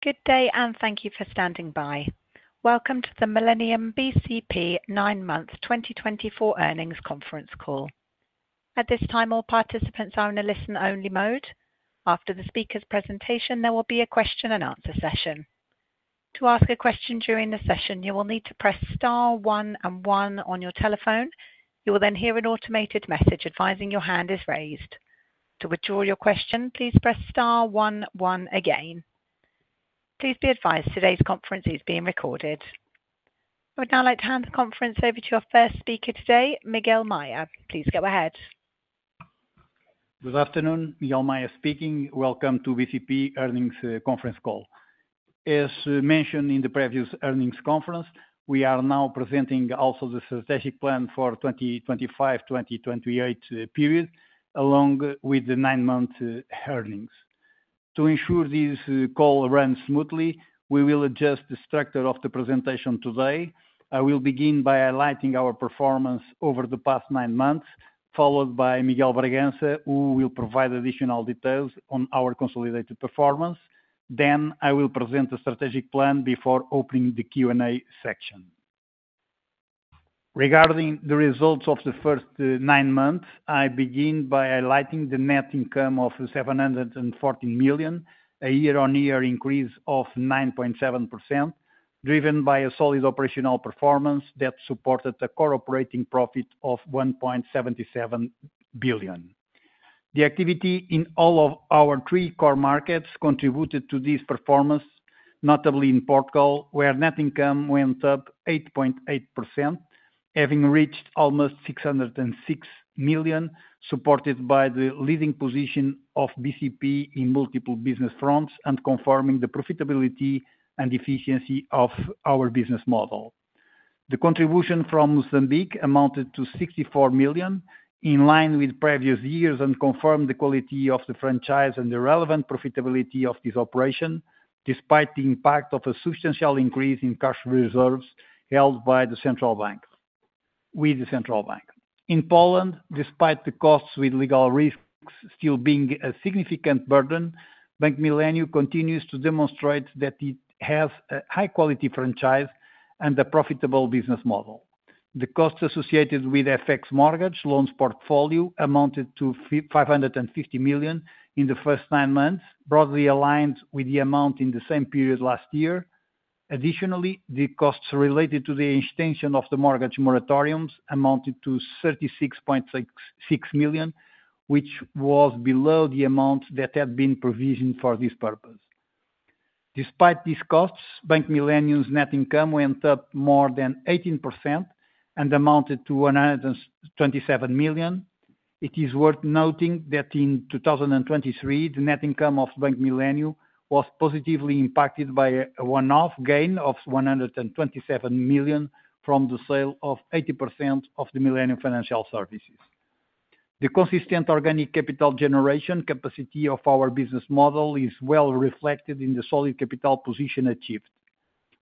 Good day, and thank you for standing by. Welcome to the Millennium BCP nine-month 2024 earnings conference call. At this time, all participants are in a listen-only mode. After the speaker's presentation, there will be a question-and-answer session. To ask a question during the session, you will need to press star 1 and 1 on your telephone. You will then hear an automated message advising your hand is raised. To withdraw your question, please press star 1, 1 again. Please be advised today's conference is being recorded. I would now like to hand the conference over to our first speaker today, Miguel Maya. Please go ahead. Good afternoon, Miguel Maya speaking. Welcome to BCP Earnings Conference Call. As mentioned in the previous earnings conference, we are now presenting also the strategic plan for the 2025-2028 period, along with the nine-month earnings. To ensure this call runs smoothly, we will adjust the structure of the presentation today. I will begin by highlighting our performance over the past nine months, followed by Miguel Bragança, who will provide additional details on our consolidated performance. Then, I will present the strategic plan before opening the Q&A section. Regarding the results of the first nine months, I begin by highlighting the net income of 714 million, a year-on-year increase of 9.7%, driven by solid operational performance that supported a core operating profit of 1.77 billion. The activity in all of our three core markets contributed to this performance, notably in Portugal, where net income went up 8.8%, having reached almost 606 million, supported by the leading position of BCP in multiple business fronts and confirming the profitability and efficiency of our business model. The contribution from Mozambique amounted to 64 million, in line with previous years, and confirmed the quality of the franchise and the relevant profitability of this operation, despite the impact of a substantial increase in cash reserves held by the central bank. In Poland, despite the costs with legal risks still being a significant burden, Bank Millennium continues to demonstrate that it has a high-quality franchise and a profitable business model. The costs associated with FX mortgage loans portfolio amounted to 550 million in the first nine months, broadly aligned with the amount in the same period last year. Additionally, the costs related to the extension of the mortgage moratoriums amounted to 36.6 million, which was below the amount that had been provisioned for this purpose. Despite these costs, Bank Millennium's net income went up more than 18% and amounted to 127 million. It is worth noting that in 2023, the net income of Bank Millennium was positively impacted by a one-off gain of 127 million from the sale of 80% of the Millennium Financial Services. The consistent organic capital generation capacity of our business model is well reflected in the solid capital position achieved.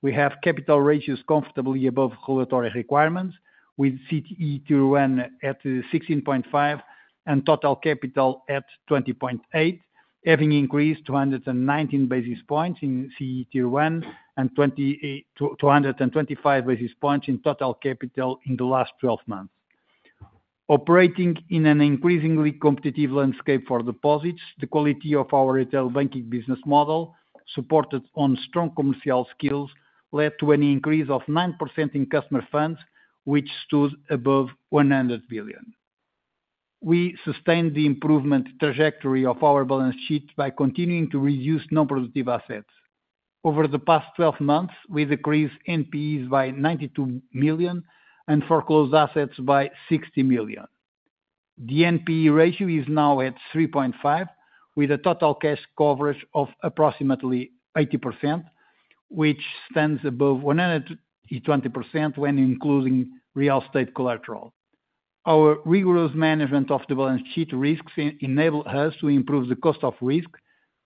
We have capital ratios comfortably above regulatory requirements, with CET1 at 16.5 and Total Capital at 20.8, having increased 219 basis points in CET1 and 225 basis points in Total Capital in the last 12 months. Operating in an increasingly competitive landscape for deposits, the quality of our retail banking business model, supported on strong commercial skills, led to an increase of 9% in customer funds, which stood above 100 billion. We sustained the improvement trajectory of our balance sheet by continuing to reduce non-performing assets. Over the past 12 months, we decreased NPEs by 92 million and foreclosed assets by 60 million. The NPE ratio is now at 3.5%, with a total cash coverage of approximately 80%, which stands above 120% when including real estate collateral. Our rigorous management of the balance sheet risks enables us to improve the cost of risk,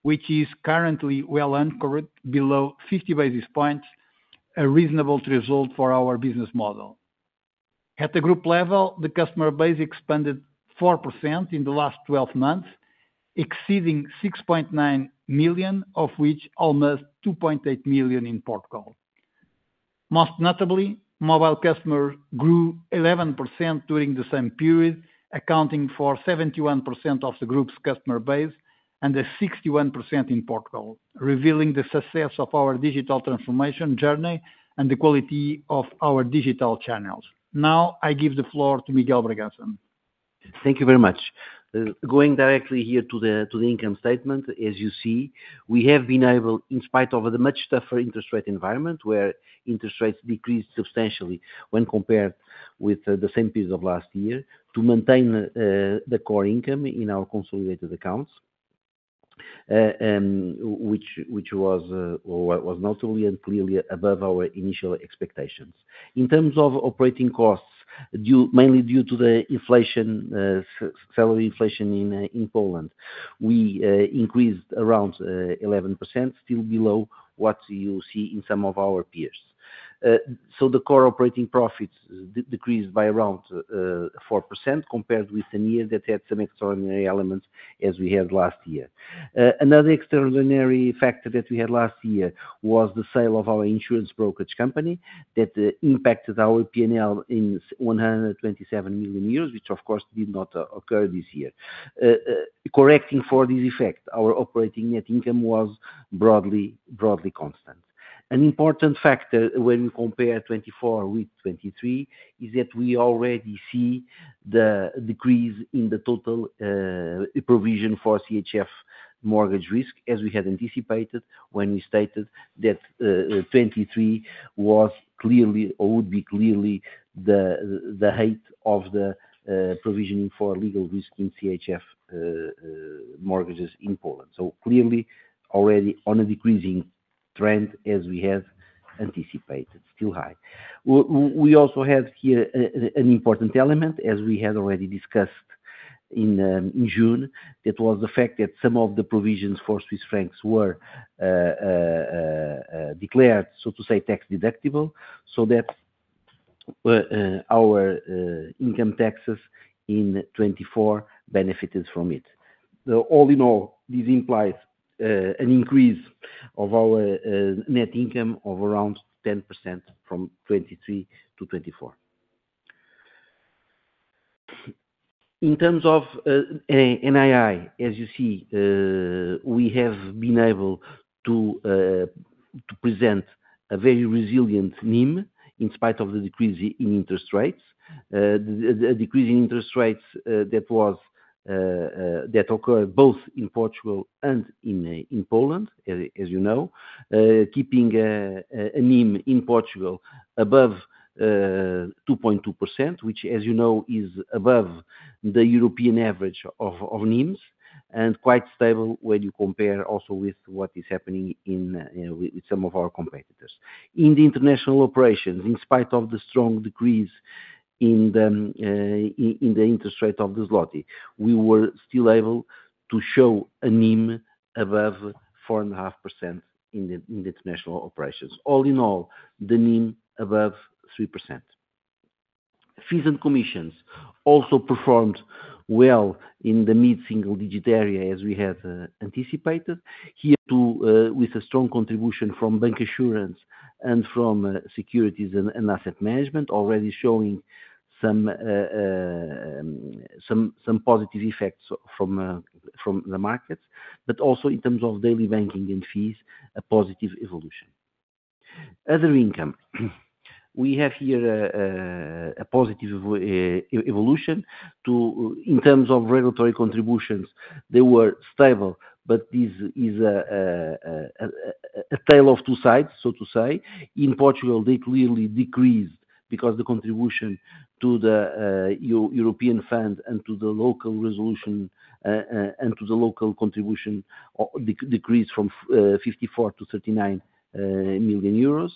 which is currently well anchored below 50 basis points, a reasonable threshold for our business model. At the group level, the customer base expanded 4% in the last 12 months, exceeding 6.9 million, of which almost 2.8 million in Portugal. Most notably, mobile customers grew 11% during the same period, accounting for 71% of the group's customer base and 61% in Portugal, revealing the success of our digital transformation journey and the quality of our digital channels. Now, I give the floor to Miguel Bragança. Thank you very much. Going directly here to the income statement, as you see, we have been able, in spite of the much tougher interest rate environment, where interest rates decreased substantially when compared with the same period of last year, to maintain the core income in our consolidated accounts, which was notably and clearly above our initial expectations. In terms of operating costs, mainly due to the inflation, salary inflation in Poland, we increased around 11%, still below what you see in some of our peers. So the core operating profits decreased by around 4% compared with the year that had some extraordinary elements, as we had last year. Another extraordinary factor that we had last year was the sale of our insurance brokerage company that impacted our P&L in 127 million euros, which, of course, did not occur this year. Correcting for this effect, our operating net income was broadly constant. An important factor when we compare 2024 with 2023 is that we already see the decrease in the total provision for CHF mortgage risk, as we had anticipated when we stated that 2023 was clearly or would be clearly the height of the provisioning for legal risk in CHF mortgages in Poland. So clearly, already on a decreasing trend, as we had anticipated, still high. We also have here an important element, as we had already discussed in June, that was the fact that some of the provisions for Swiss francs were declared, so to say, tax-deductible, so that our income taxes in 2024 benefited from it. All in all, this implies an increase of our net income of around 10% from 2023 to 2024. In terms of NII, as you see, we have been able to present a very resilient NIM in spite of the decrease in interest rates, a decrease in interest rates that occurred both in Portugal and in Poland, as you know, keeping a NIM in Portugal above 2.2%, which, as you know, is above the European average of NIMs and quite stable when you compare also with what is happening with some of our competitors. In the international operations, in spite of the strong decrease in the interest rate of the zloty, we were still able to show a NIM above 4.5% in the international operations. All in all, the NIM above 3%. Fees and commissions also performed well in the mid-single-digit area, as we had anticipated, here too with a strong contribution from bancassurance and from securities and asset management, already showing some positive effects from the markets, but also in terms of daily banking and fees, a positive evolution. Other income, we have here a positive evolution. In terms of regulatory contributions, they were stable, but this is a tale of two sides, so to say. In Portugal, they clearly decreased because the contribution to the European fund and to the local resolution and to the local contribution decreased from 54 to 39 million euros.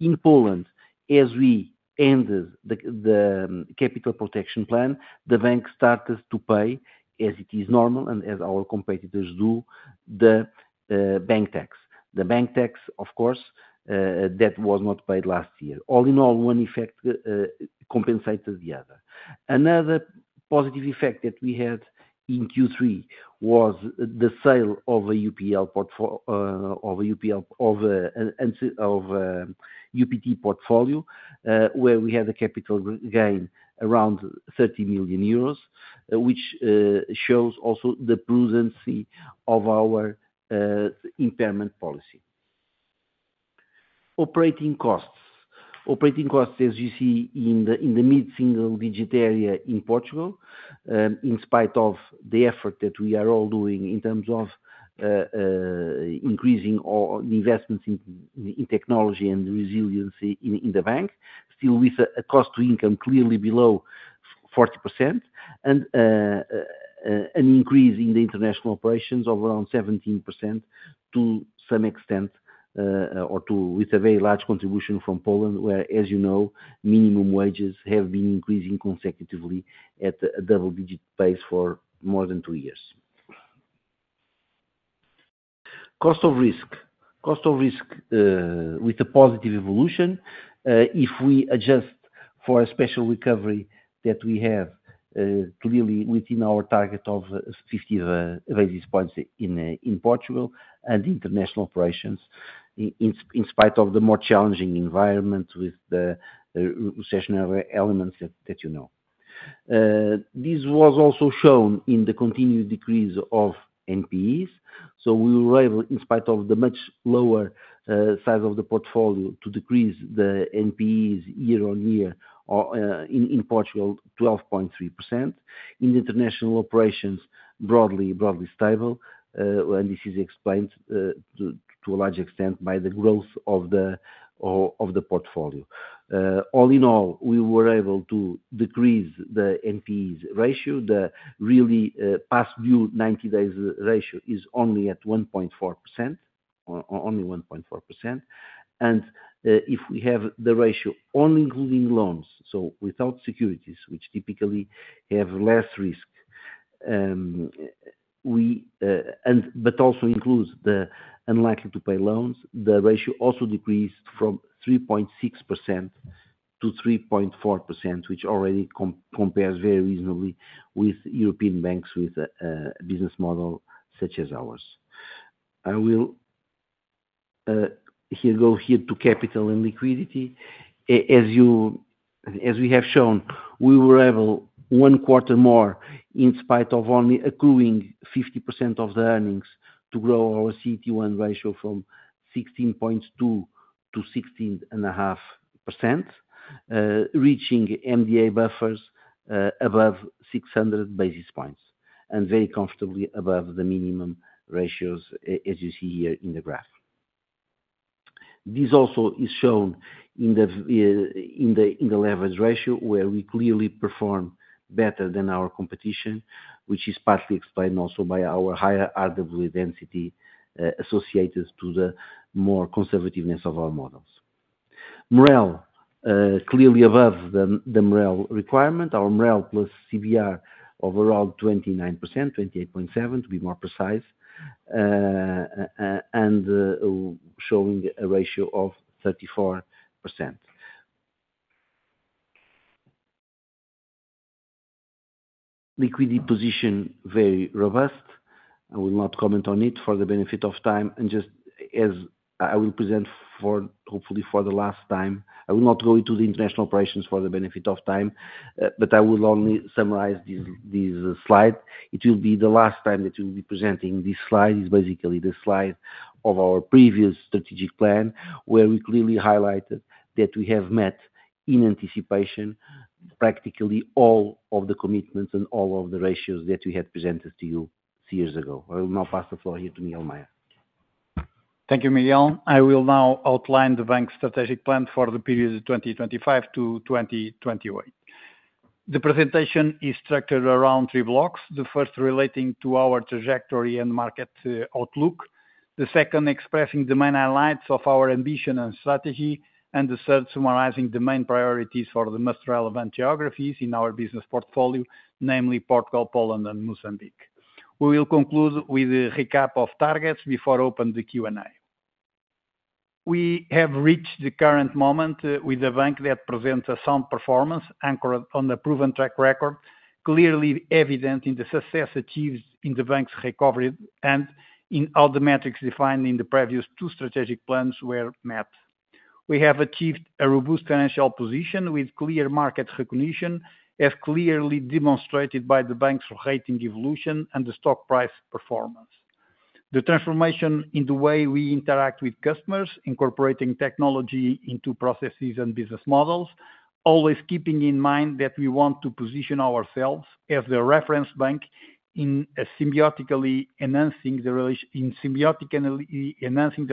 In Poland, as we ended the capital protection plan, the bank started to pay, as it is normal and as our competitors do, the bank tax. The bank tax, of course, that was not paid last year. All in all, one effect compensated the other. Another positive effect that we had in Q3 was the sale of a UTP portfolio, where we had a capital gain around 30 million euros, which shows also the prudency of our impairment policy. Operating costs, operating costs, as you see, in the mid-single-digit area in Portugal, in spite of the effort that we are all doing in terms of increasing the investments in technology and resiliency in the bank, still with a cost to income clearly below 40%, and an increase in the international operations of around 17% to some extent, or with a very large contribution from Poland, where, as you know, minimum wages have been increasing consecutively at a double-digit pace for more than two years. Cost of risk with a positive evolution if we adjust for a special recovery that we have clearly within our target of 50 basis points in Portugal and international operations, in spite of the more challenging environment with the recessionary elements that you know. This was also shown in the continued decrease of NPEs, so we were able, in spite of the much lower size of the portfolio, to decrease the NPEs year on year in Portugal to 12.3%. In the international operations, broadly stable, and this is explained to a large extent by the growth of the portfolio. All in all, we were able to decrease the NPEs ratio. The really past due 90 days ratio is only at 1.4%, only 1.4%. If we have the ratio only including loans, so without securities, which typically have less risk, but also includes the unlikely-to-pay loans, the ratio also decreased from 3.6% to 3.4%, which already compares very reasonably with European banks with a business model such as ours. I will go here to capital and liquidity. As we have shown, we were able one quarter more, in spite of only accruing 50% of the earnings, to grow our CE T1 ratio from 16.2 to 16.5%, reaching MDA buffers above 600 basis points and very comfortably above the minimum ratios, as you see here in the graph. This also is shown in the leverage ratio, where we clearly perform better than our competition, which is partly explained also by our higher RWA density associated to the more conservativeness of our models. MREL, clearly above the MREL requirement, our MREL plus CBR of around 29%, 28.7, to be more precise, and showing a ratio of 34%. Liquidity position very robust. I will not comment on it for the benefit of time. Just as I will present hopefully for the last time, I will not go into the international operations for the benefit of time, but I will only summarize this slide. It will be the last time that we will be presenting this slide. It's basically the slide of our previous strategic plan, where we clearly highlighted that we have met in anticipation practically all of the commitments and all of the ratios that we had presented to you three years ago. I will now pass the floor here to Miguel Maya. Thank you, Miguel. I will now outline the bank's strategic plan for the period of 2025 to 2028. The presentation is structured around three blocks, the first relating to our trajectory and market outlook, the second expressing the main highlights of our ambition and strategy, and the third summarizing the main priorities for the most relevant geographies in our business portfolio, namely Portugal, Poland, and Mozambique. We will conclude with a recap of targets before opening the Q&A. We have reached the current moment with a bank that presents a sound performance anchored on a proven track record, clearly evident in the success achieved in the bank's recovery and in all the metrics defined in the previous two strategic plans, were met. We have achieved a robust financial position with clear market recognition, as clearly demonstrated by the bank's rating evolution and the stock price performance. The transformation in the way we interact with customers, incorporating technology into processes and business models, always keeping in mind that we want to position ourselves as the reference bank in symbiotically enhancing the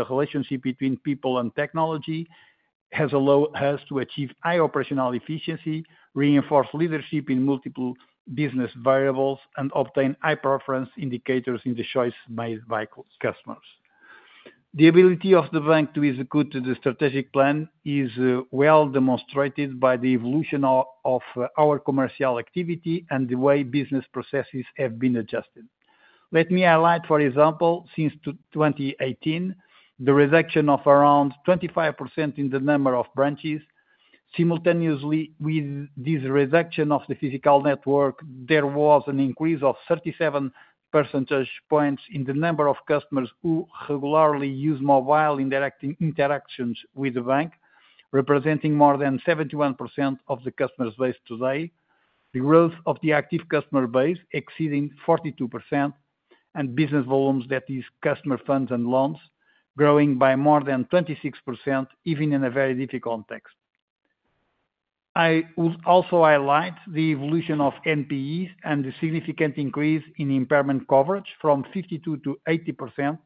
relationship between people and technology has allowed us to achieve high operational efficiency, reinforce leadership in multiple business variables, and obtain high preference indicators in the choices made by customers. The ability of the bank to execute the strategic plan is well demonstrated by the evolution of our commercial activity and the way business processes have been adjusted. Let me highlight, for example, since 2018, the reduction of around 25% in the number of branches. Simultaneously with this reduction of the physical network, there was an increase of 37 percentage points in the number of customers who regularly use mobile interactions with the bank, representing more than 71% of the customers' base today, the growth of the active customer base exceeding 42%, and business volumes that is customer funds and loans growing by more than 26%, even in a very difficult context. I would also highlight the evolution of NPEs and the significant increase in impairment coverage from 52% to 80%,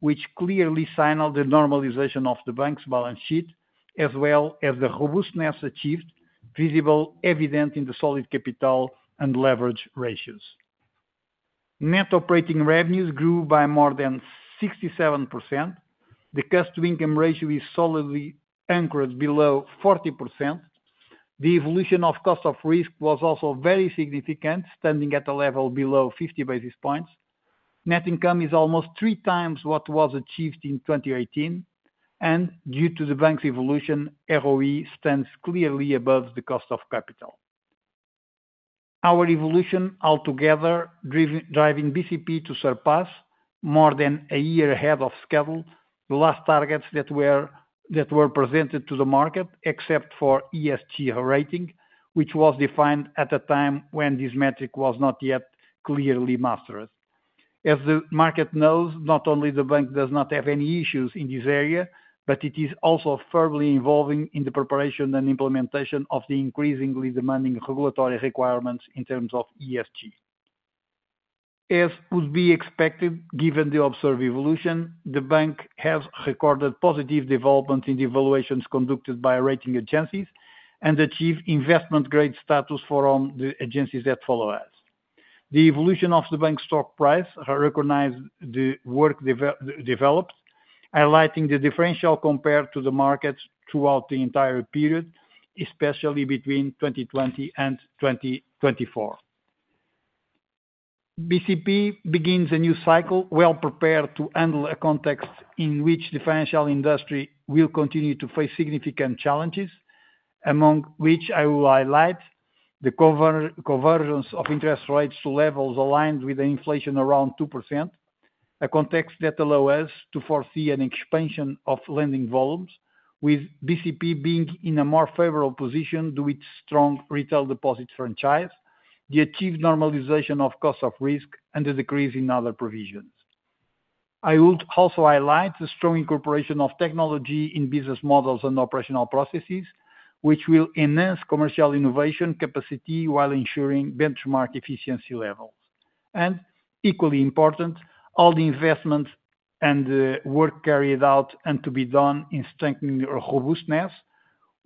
which clearly signaled the normalization of the bank's balance sheet, as well as the robustness achieved, visible, evident in the solid capital and leverage ratios. Net operating revenues grew by more than 67%. The cost to income ratio is solidly anchored below 40%. The evolution of cost of risk was also very significant, standing at a level below 50 basis points. Net income is almost three times what was achieved in 2018, and due to the bank's evolution, ROE stands clearly above the cost of capital. Our evolution altogether driving BCP to surpass more than a year ahead of schedule the last targets that were presented to the market, except for ESG rating, which was defined at a time when this metric was not yet clearly mastered. As the market knows, not only the bank does not have any issues in this area, but it is also firmly involved in the preparation and implementation of the increasingly demanding regulatory requirements in terms of ESG. As would be expected, given the observed evolution, the bank has recorded positive developments in the evaluations conducted by rating agencies and achieved investment-grade status for the agencies that follow us. The evolution of the bank's stock price recognized the work developed, highlighting the differential compared to the market throughout the entire period, especially between 2020 and 2024. BCP begins a new cycle well prepared to handle a context in which the financial industry will continue to face significant challenges, among which I will highlight the convergence of interest rates to levels aligned with inflation around 2%, a context that allows us to foresee an expansion of lending volumes, with BCP being in a more favorable position due to its strong retail deposit franchise, the achieved normalization of cost of risk, and the decrease in other provisions. I would also highlight the strong incorporation of technology in business models and operational processes, which will enhance commercial innovation capacity while ensuring benchmark efficiency levels. And equally important, all the investments and work carried out and to be done in strengthening robustness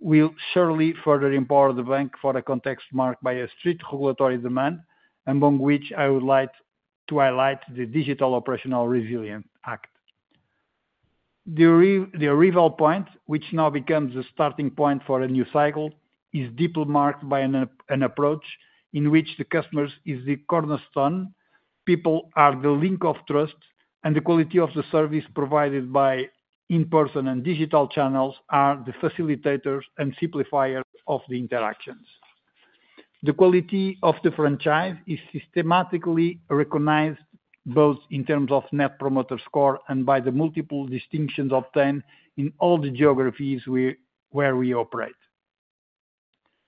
will surely further empower the bank for a context marked by a strict regulatory demand, among which I would like to highlight the Digital Operational Resilience Act. The arrival point, which now becomes a starting point for a new cycle, is deeply marked by an approach in which the customer is the cornerstone, people are the link of trust, and the quality of the service provided by in-person and digital channels are the facilitators and simplifiers of the interactions. The quality of the franchise is systematically recognized both in terms of Net Promoter Score and by the multiple distinctions obtained in all the geographies where we operate.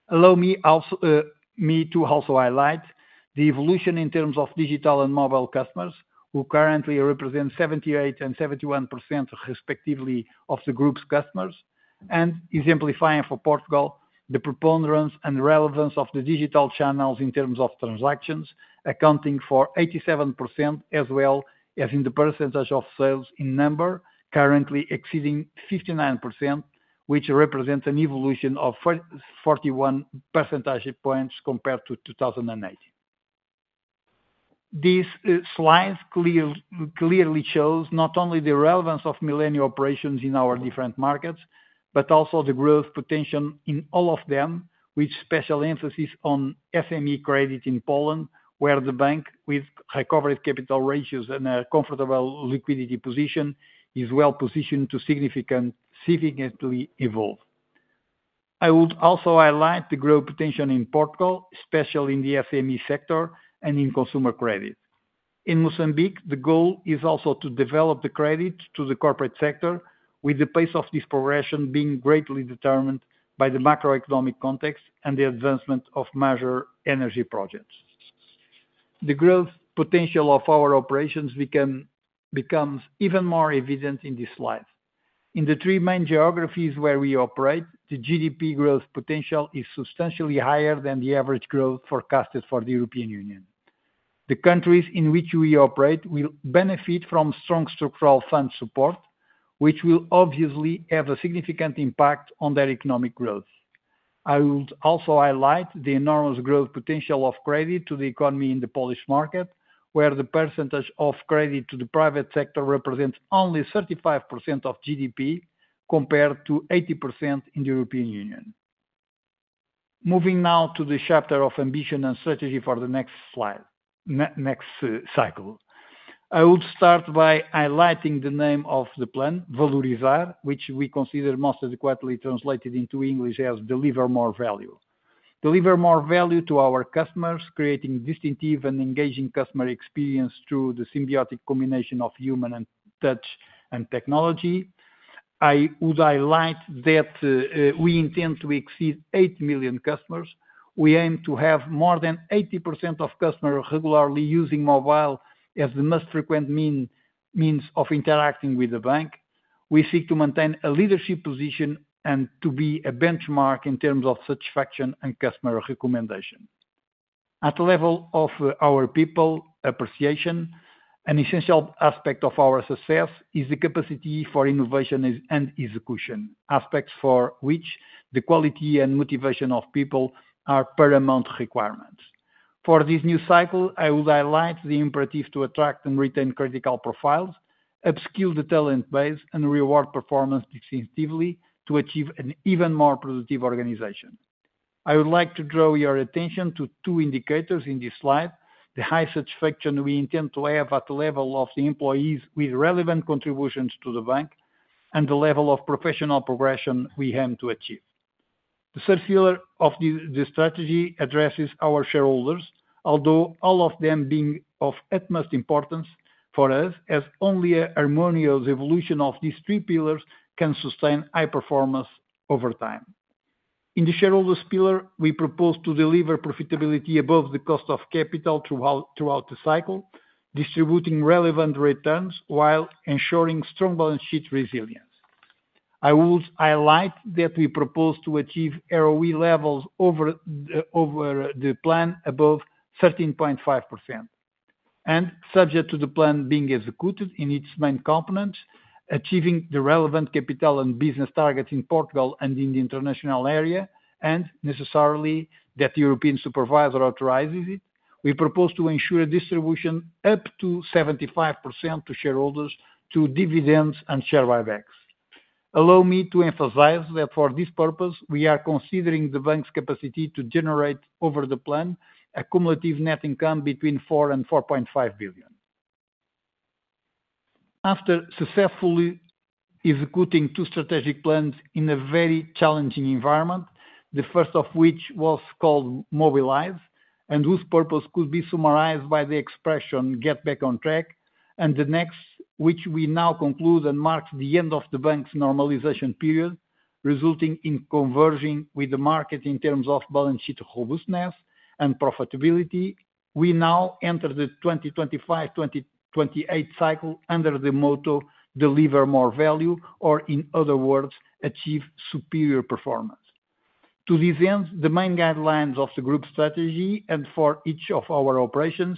Allow me to also highlight the evolution in terms of digital and mobile customers, who currently represent 78% and 71% respectively of the group's customers. Exemplifying for Portugal, the preponderance and relevance of the digital channels in terms of transactions accounting for 87%, as well as in the percentage of sales in number, currently exceeding 59%, which represents an evolution of 41 percentage points compared to 2018. These slides clearly show not only the relevance of Millennium operations in our different markets, but also the growth potential in all of them, with special emphasis on SME credit in Poland, where the bank, with recovered capital ratios and a comfortable liquidity position, is well positioned to significantly evolve. I would also highlight the growth potential in Portugal, especially in the SME sector and in consumer credit. In Mozambique, the goal is also to develop the credit to the corporate sector, with the pace of this progression being greatly determined by the macroeconomic context and the advancement of major energy projects. The growth potential of our operations becomes even more evident in this slide. In the three main geographies where we operate, the GDP growth potential is substantially higher than the average growth forecasted for the European Union. The countries in which we operate will benefit from strong structural fund support, which will obviously have a significant impact on their economic growth. I would also highlight the enormous growth potential of credit to the economy in the Polish market, where the percentage of credit to the private sector represents only 35% of GDP compared to 80% in the European Union. Moving now to the chapter of ambition and strategy for the next cycle. I would start by highlighting the name of the plan, Valorizar, which we consider most adequately translated into English as Deliver More Value. Deliver more value to our customers, creating distinctive and engaging customer experience through the symbiotic combination of human and touch and technology. I would highlight that we intend to exceed eight million customers. We aim to have more than 80% of customers regularly using mobile as the most frequent means of interacting with the bank. We seek to maintain a leadership position and to be a benchmark in terms of satisfaction and customer recommendation. At the level of our people appreciation, an essential aspect of our success is the capacity for innovation and execution, aspects for which the quality and motivation of people are paramount requirements. For this new cycle, I would highlight the imperative to attract and retain critical profiles, upskill the talent base, and reward performance distinctively to achieve an even more productive organization. I would like to draw your attention to two indicators in this slide: the high satisfaction we intend to have at the level of the employees with relevant contributions to the bank, and the level of professional progression we aim to achieve. The third pillar of the strategy addresses our shareholders, although all of them being of utmost importance for us, as only a harmonious evolution of these three pillars can sustain high performance over time. In the shareholders' pillar, we propose to deliver profitability above the cost of capital throughout the cycle, distributing relevant returns while ensuring strong balance sheet resilience. I would highlight that we propose to achieve ROE levels over the plan above 13.5%, and subject to the plan being executed in its main components, achieving the relevant capital and business targets in Portugal and in the international area, and necessarily that the European supervisor authorizes it, we propose to ensure a distribution up to 75% to shareholders through dividends and share buybacks. Allow me to emphasize that for this purpose, we are considering the bank's capacity to generate over the plan a cumulative net income between 4 billion and 4.5 billion. After successfully executing two strategic plans in a very challenging environment, the first of which was called Mobilize, and whose purpose could be summarized by the expression "Get Back on Track," and the next, which we now conclude and marks the end of the bank's normalization period, resulting in converging with the market in terms of balance sheet robustness and profitability, we now enter the 2025-2028 cycle under the motto "Deliver More Value," or in other words, achieve superior performance. To this end, the main guidelines of the group strategy and for each of our operations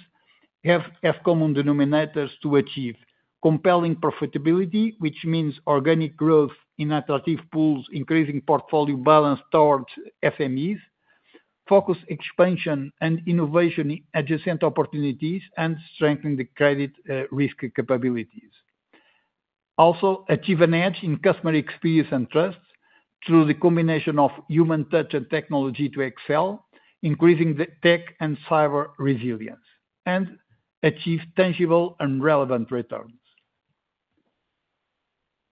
have as common denominators to achieve: compelling profitability, which means organic growth in attractive pools, increasing portfolio balance towards SMEs, focus expansion and innovation in adjacent opportunities, and strengthen the credit risk capabilities. Also, achieve an edge in customer experience and trust through the combination of human touch and technology to excel, increasing the tech and cyber resilience, and achieve tangible and relevant returns.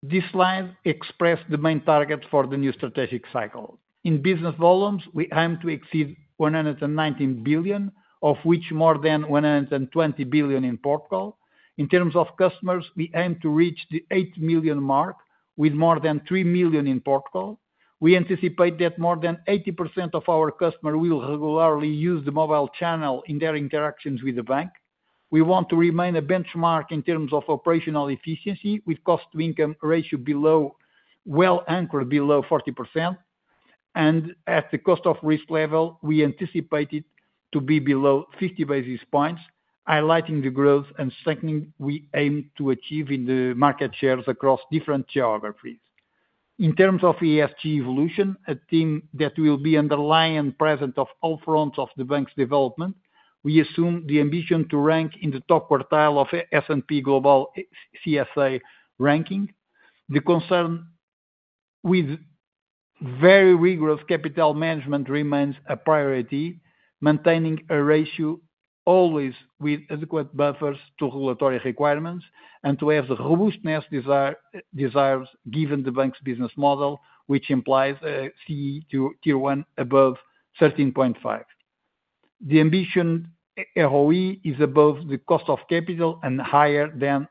This slide expressed the main targets for the new strategic cycle. In business volumes, we aim to exceed 119 billion, of which more than 120 billion in Portugal. In terms of customers, we aim to reach the 8 million mark, with more than 3 million in Portugal. We anticipate that more than 80% of our customers will regularly use the mobile channel in their interactions with the bank. We want to remain a benchmark in terms of operational efficiency, with cost to income ratio well anchored below 40%. At the cost of risk level, we anticipate it to be below 50 basis points, highlighting the growth and strengthening we aim to achieve in the market shares across different geographies. In terms of ESG evolution, a theme that will be underlying and present on all fronts of the bank's development, we assume the ambition to rank in the top quartile of S&P Global CSA ranking. The concern with very rigorous capital management remains a priority, maintaining a ratio always with adequate buffers to regulatory requirements and to have the robustness desired given the bank's business model, which implies a CET1 above 13.5. The ambition ROE is above the cost of capital and higher than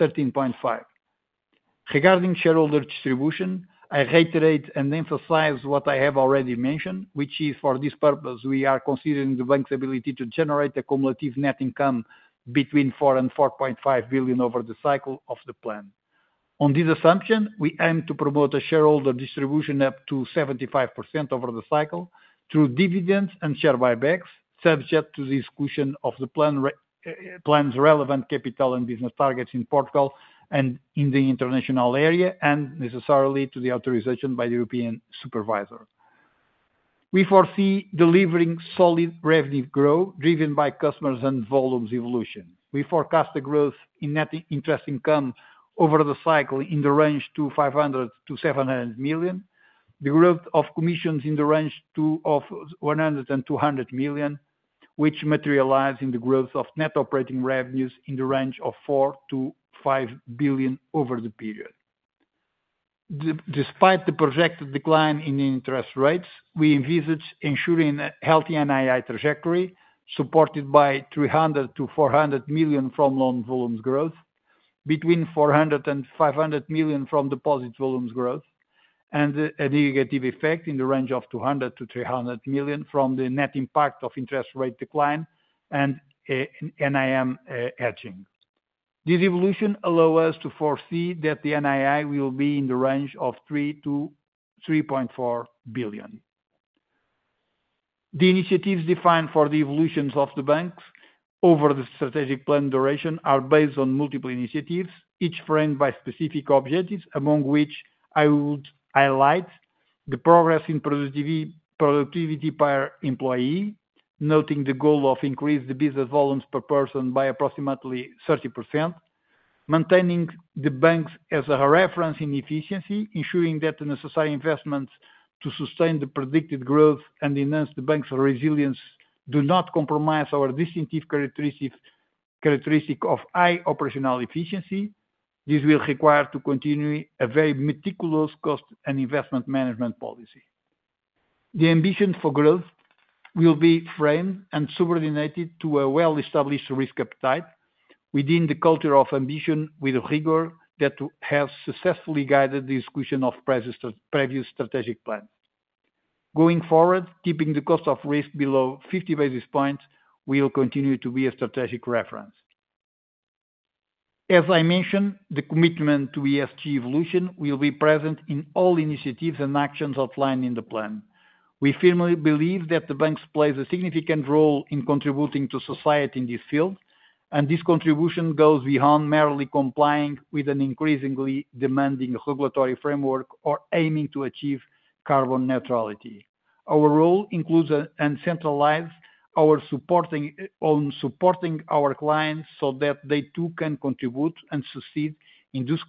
13.5. Regarding shareholder distribution, I reiterate and emphasize what I have already mentioned, which is for this purpose, we are considering the bank's ability to generate a cumulative net income between 4 billion and 4.5 billion over the cycle of the plan. On this assumption, we aim to promote a shareholder distribution up to 75% over the cycle through dividends and share buybacks, subject to the exclusion of the plan's relevant capital and business targets in Portugal and in the international area, and necessarily to the authorization by the European supervisor. We foresee delivering solid revenue growth driven by customers and volumes evolution. We forecast the growth in net interest income over the cycle in the range of 500-700 million, the growth of commissions in the range of 100-200 million, which materialize in the growth of net operating revenues in the range of 4-5 billion over the period. Despite the projected decline in interest rates, we envisage ensuring a healthy NII trajectory supported by 300-400 million from loan volumes growth, between 400 and 500 million from deposit volumes growth, and a negative effect in the range of 200-300 million from the net impact of interest rate decline and NIM edging. This evolution allows us to foresee that the NII will be in the range of 3-3.4 billion. The initiatives defined for the evolutions of the banks over the strategic plan duration are based on multiple initiatives, each framed by specific objectives, among which I would highlight the progress in productivity per employee, noting the goal of increasing the business volumes per person by approximately 30%, maintaining the banks as a reference in efficiency, ensuring that the necessary investments to sustain the predicted growth and enhance the bank's resilience do not compromise our distinctive characteristic of high operational efficiency. This will require continuing a very meticulous cost and investment management policy. The ambition for growth will be framed and subordinated to a well-established risk appetite within the culture of ambition, with rigor that has successfully guided the execution of previous strategic plans. Going forward, keeping the cost of risk below 50 basis points will continue to be a strategic reference. As I mentioned, the commitment to ESG evolution will be present in all initiatives and actions outlined in the plan. We firmly believe that the banks play a significant role in contributing to society in this field, and this contribution goes beyond merely complying with an increasingly demanding regulatory framework or aiming to achieve carbon neutrality. Our role includes and centralizes supporting our clients so that they too can contribute and succeed in this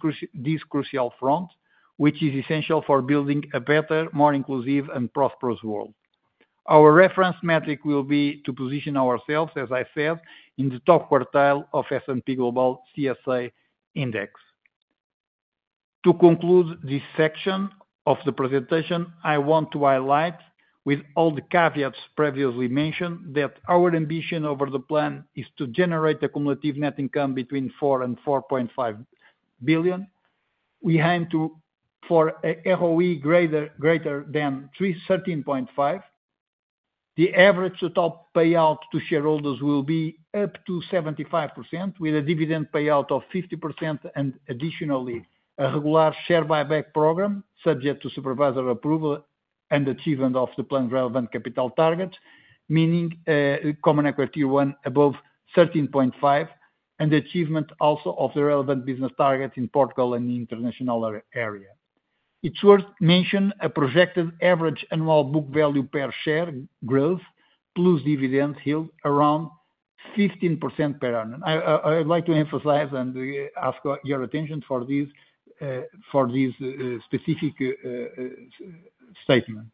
crucial front, which is essential for building a better, more inclusive, and prosperous world. Our reference metric will be to position ourselves, as I said, in the top quartile of S&P Global CSA Index. To conclude this section of the presentation, I want to highlight, with all the caveats previously mentioned, that our ambition over the plan is to generate a cumulative net income between 4 billion and 4.5 billion. We aim for an ROE greater than 13.5%. The average total payout to shareholders will be up to 75%, with a dividend payout of 50%, and additionally, a regular share buyback program subject to supervisor approval and achievement of the plan's relevant capital targets, meaning Common Equity Tier 1 above 13.5%, and the achievement also of the relevant business targets in Portugal and the international area. It's worth mentioning a projected average annual book value per share growth, plus dividends held, around 15% per annum. I'd like to emphasize and ask your attention for this specific statement.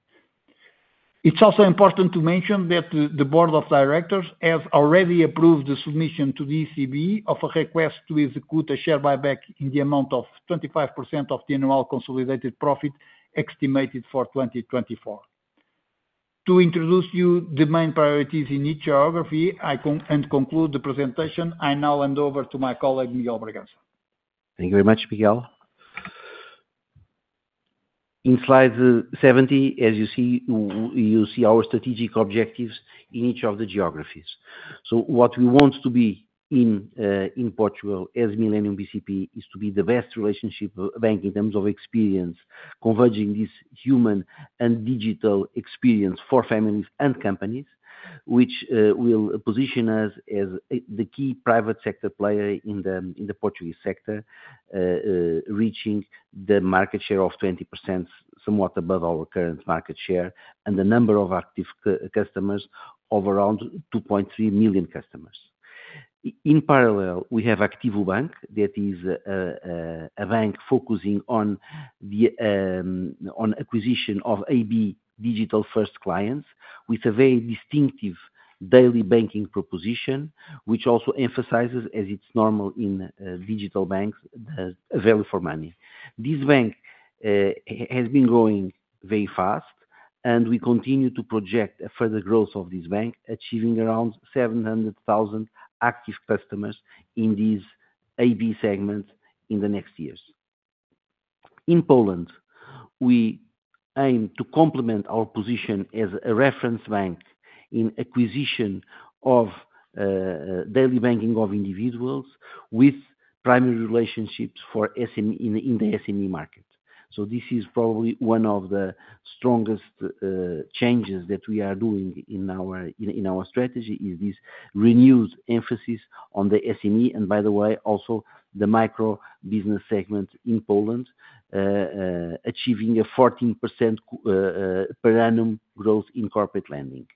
It's also important to mention that the Board of Directors has already approved the submission to the ECB of a request to execute a share buyback in the amount of 25% of the annual consolidated profit estimated for 2024. To introduce you to the main priorities in each geography and conclude the presentation, I now hand over to my colleague, Miguel Bragança. Thank you very much, Miguel. In slide 70, as you see, our strategic objectives in each of the geographies. What we want to be in Portugal as Millennium BCP is to be the best relationship bank in terms of experience, converging this human and digital experience for families and companies, which will position us as the key private sector player in the Portuguese sector, reaching the market share of 20%, somewhat above our current market share, and the number of active customers of around 2.3 million customers. In parallel, we have ActivoBank, that is a bank focusing on the acquisition of AB Digital First clients, with a very distinctive daily banking proposition, which also emphasizes, as it's normal in digital banks, the value for money. This bank has been growing very fast, and we continue to project a further growth of this bank, achieving around 700,000 active customers in this AB segment in the next years. In Poland, we aim to complement our position as a reference bank in acquisition of daily banking of individuals with primary relationships in the SME market. So this is probably one of the strongest changes that we are doing in our strategy, is this renewed emphasis on the SME, and by the way, also the micro business segment in Poland, achieving a 14% per annum growth in corporate lending.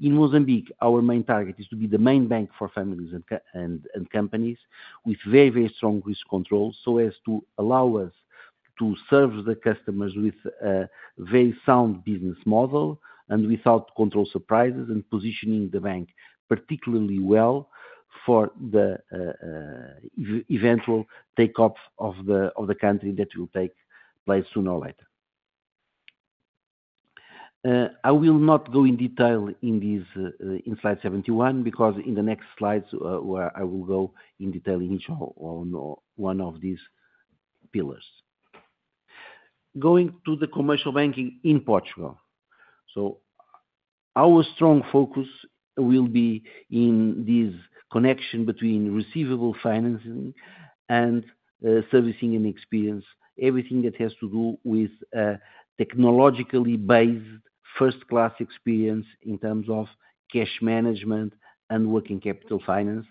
In Mozambique, our main target is to be the main bank for families and companies, with very, very strong risk control so as to allow us to serve the customers with a very sound business model and without control surprises, and positioning the bank particularly well for the eventual takeoff of the country that will take place sooner or later. I will not go in detail in this in slide 71 because in the next slides, I will go in detail in each one of these pillars. Going to the commercial banking in Portugal, so our strong focus will be in this connection between receivable financing and servicing and experience, everything that has to do with a technologically based first-class experience in terms of cash management and working capital finance,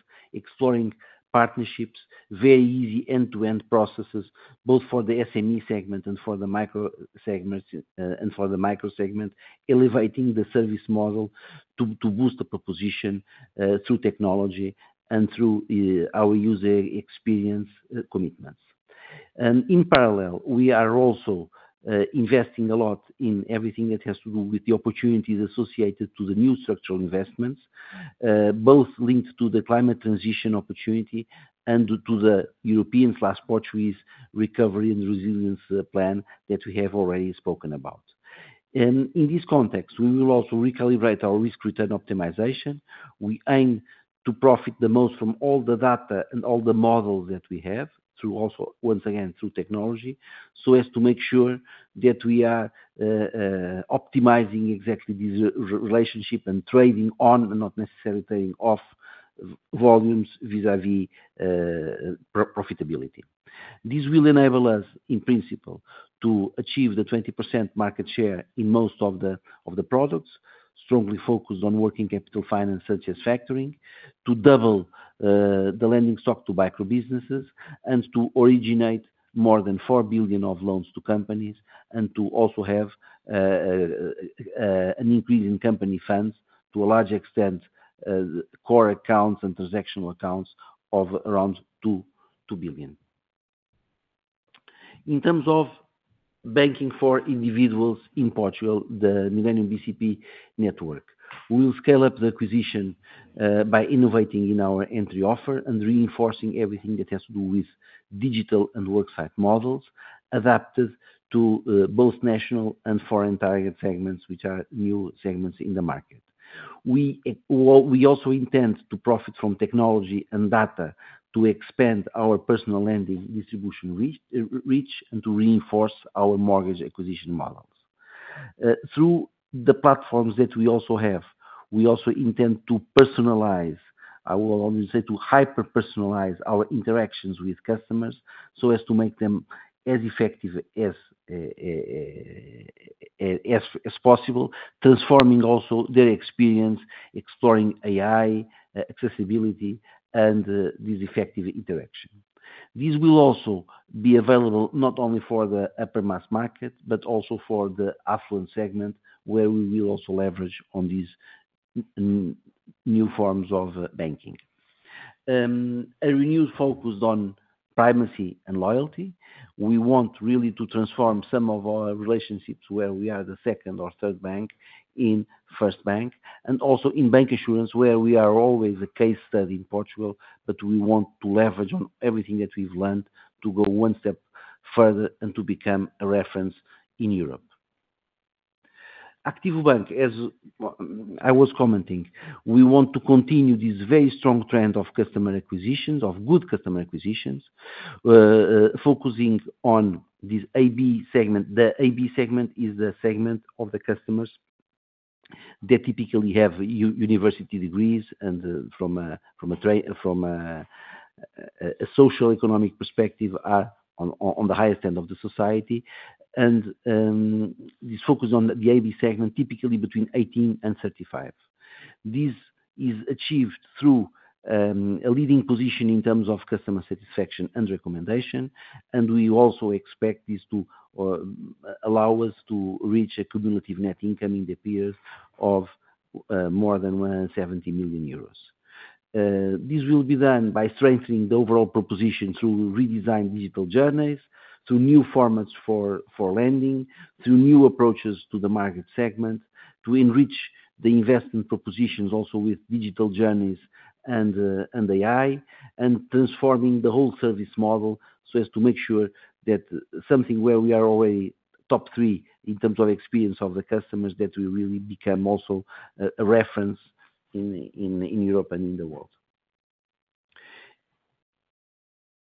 exploring partnerships, very easy end-to-end processes, both for the SME segment and for the micro segment, and for the micro segment, elevating the service model to boost the proposition through technology and through our user experience commitments, and in parallel, we are also investing a lot in everything that has to do with the opportunities associated to the new structural investments, both linked to the climate transition opportunity and to the European/Portuguese Recovery and Resilience Plan that we have already spoken about. In this context, we will also recalibrate our risk return optimization. We aim to profit the most from all the data and all the models that we have, once again, through technology, so as to make sure that we are optimizing exactly this relationship and trading on and not necessarily trading off volumes vis-à-vis profitability. This will enable us, in principle, to achieve the 20% market share in most of the products, strongly focused on working capital finance such as factoring, to double the lending stock to micro businesses, and to originate more than 4 billion of loans to companies, and to also have an increase in company funds to a large extent, core accounts and transactional accounts of around 2 billion. In terms of banking for individuals in Portugal, the Millennium BCP Network will scale up the acquisition by innovating in our entry offer and reinforcing everything that has to do with digital and worksite models adapted to both national and foreign target segments, which are new segments in the market. We also intend to profit from technology and data to expand our personal lending distribution reach and to reinforce our mortgage acquisition models. Through the platforms that we also have, we also intend to personalize, I would say to hyper-personalize our interactions with customers so as to make them as effective as possible, transforming also their experience, exploring AI, accessibility, and this effective interaction. This will also be available not only for the upper-mass market, but also for the affluent segment, where we will also leverage on these new forms of banking. A renewed focus on primacy and loyalty. We want really to transform some of our relationships where we are the second or third bank in first bank, and also in bancassurance, where we are always a case study in Portugal, but we want to leverage on everything that we've learned to go one step further and to become a reference in Europe. ActivoBank, as I was commenting, we want to continue this very strong trend of customer acquisitions, of good customer acquisitions, focusing on this AB segment. The AB segment is the segment of the customers that typically have university degrees and, from a socio-economic perspective, are on the highest end of the society, and this focus on the AB segment, typically between 18 and 35. This is achieved through a leading position in terms of customer satisfaction and recommendation, and we also expect this to allow us to reach a cumulative net income in the period of more than 170 million euros. This will be done by strengthening the overall proposition through redesigned digital journeys, through new formats for lending, through new approaches to the market segment, to enrich the investment propositions also with digital journeys and AI, and transforming the whole service model so as to make sure that something where we are already top three in terms of experience of the customers, that we really become also a reference in Europe and in the world.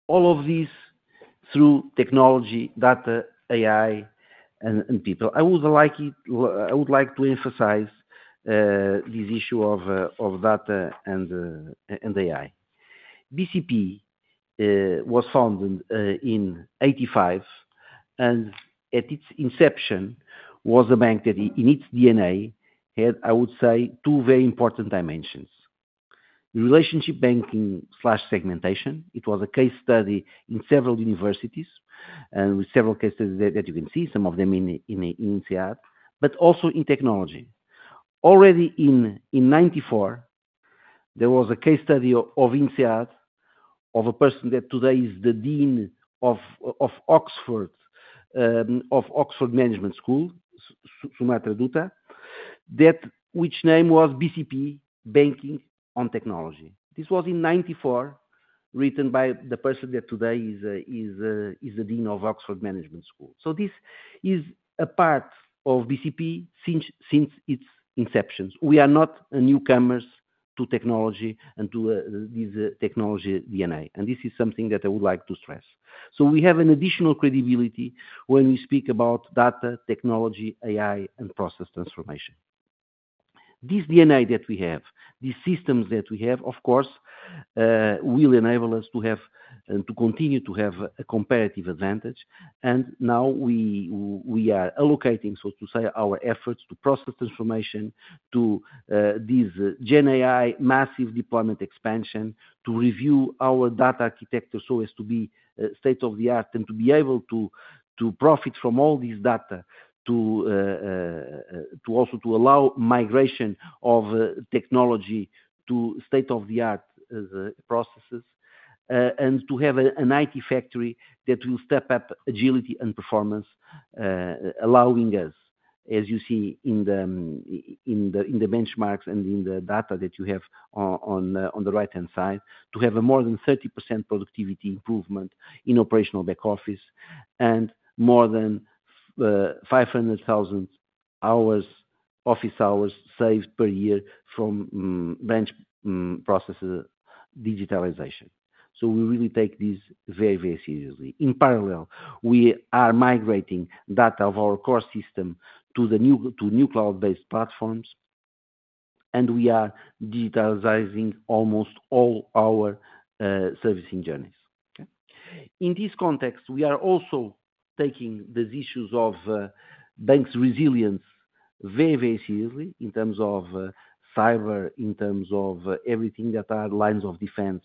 All of this through technology, data, AI, and people. I would like to emphasize this issue of data and AI. BCP was founded in 1985, and at its inception, was a bank that, in its DNA, had, I would say, two very important dimensions: relationship banking/segmentation. It was a case study in several universities, and with several case studies that you can see, some of them in INSEAD, but also in technology. Already in 1994, there was a case study of INSEAD of a person that today is the dean of Saïd Business School, Soumitra Dutta, which name was BCP Banking on Technology. This was in 1994, written by the person that today is the dean of Saïd Business School. So this is a part of BCP since its inception. We are not newcomers to technology and to this technology DNA, and this is something that I would like to stress. So we have an additional credibility when we speak about data, technology, AI, and process transformation. This DNA that we have, these systems that we have, of course, will enable us to continue to have a comparative advantage, and now we are allocating, so to say, our efforts to process transformation, to this GenAI massive deployment expansion, to review our data architecture so as to be state-of-the-art and to be able to profit from all this data, to also allow migration of technology to state-of-the-art processes, and to have an IT factory that will step up agility and performance, allowing us, as you see in the benchmarks and in the data that you have on the right-hand side, to have a more than 30% productivity improvement in operational back office and more than 500,000 office hours saved per year from branch process digitalization. So we really take this very, very seriously. In parallel, we are migrating data of our core system to new cloud-based platforms, and we are digitalizing almost all our servicing journeys. In this context, we are also taking the issues of banks' resilience very, very seriously in terms of cyber, in terms of everything that are lines of defense.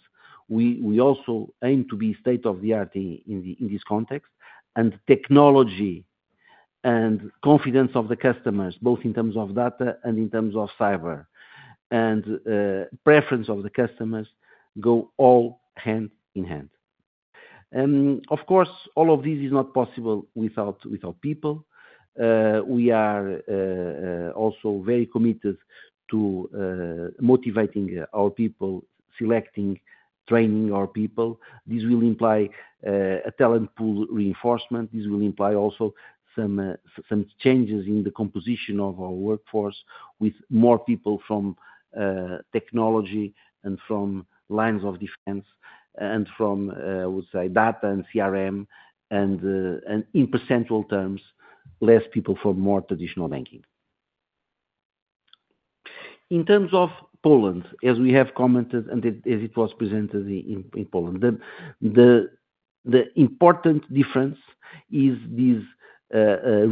We also aim to be state-of-the-art in this context, and technology and confidence of the customers, both in terms of data and in terms of cyber, and preference of the customers go all hand in hand. Of course, all of this is not possible without people. We are also very committed to motivating our people, selecting, training our people. This will imply a talent pool reinforcement. This will imply also some changes in the composition of our workforce with more people from technology and from lines of defense and from, I would say, data and CRM, and in percentual terms, less people for more traditional banking. In terms of Poland, as we have commented and as it was presented in Poland, the important difference is this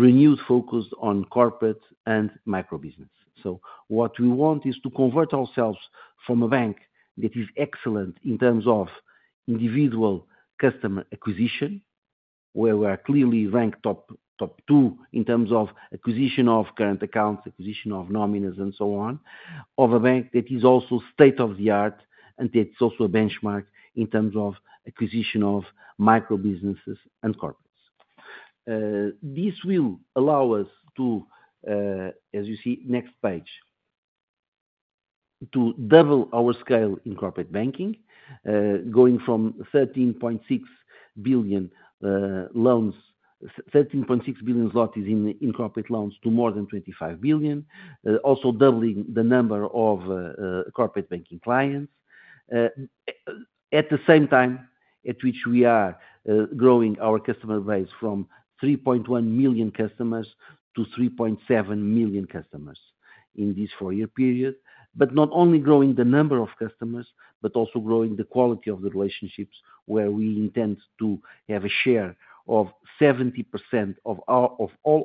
renewed focus on corporate and micro business. So what we want is to convert ourselves from a bank that is excellent in terms of individual customer acquisition, where we are clearly ranked top two in terms of acquisition of current accounts, acquisition of nominees, and so on, of a bank that is also state-of-the-art and that is also a benchmark in terms of acquisition of micro businesses and corporates. This will allow us to, as you see next page, to double our scale in corporate banking, going from 13.6 billion in loans, EUR 13.6 billion in corporate loans to more than 25 billion, also doubling the number of corporate banking clients. At the same time at which we are growing our customer base from 3.1 million customers to 3.7 million customers in this four-year period, but not only growing the number of customers, but also growing the quality of the relationships where we intend to have a share of 70% of all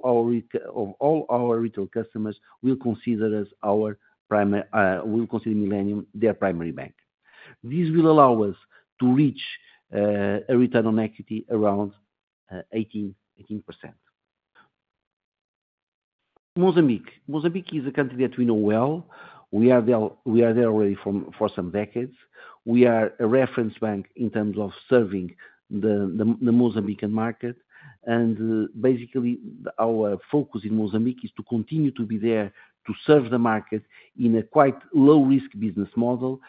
our retail customers will consider Millennium their primary bank. This will allow us to reach a return on equity around 18%. Mozambique. Mozambique is a country that we know well. We are there already for some decades. We are a reference bank in terms of serving the Mozambican market, and basically, our focus in Mozambique is to continue to be there to serve the market in a quite low-risk business model,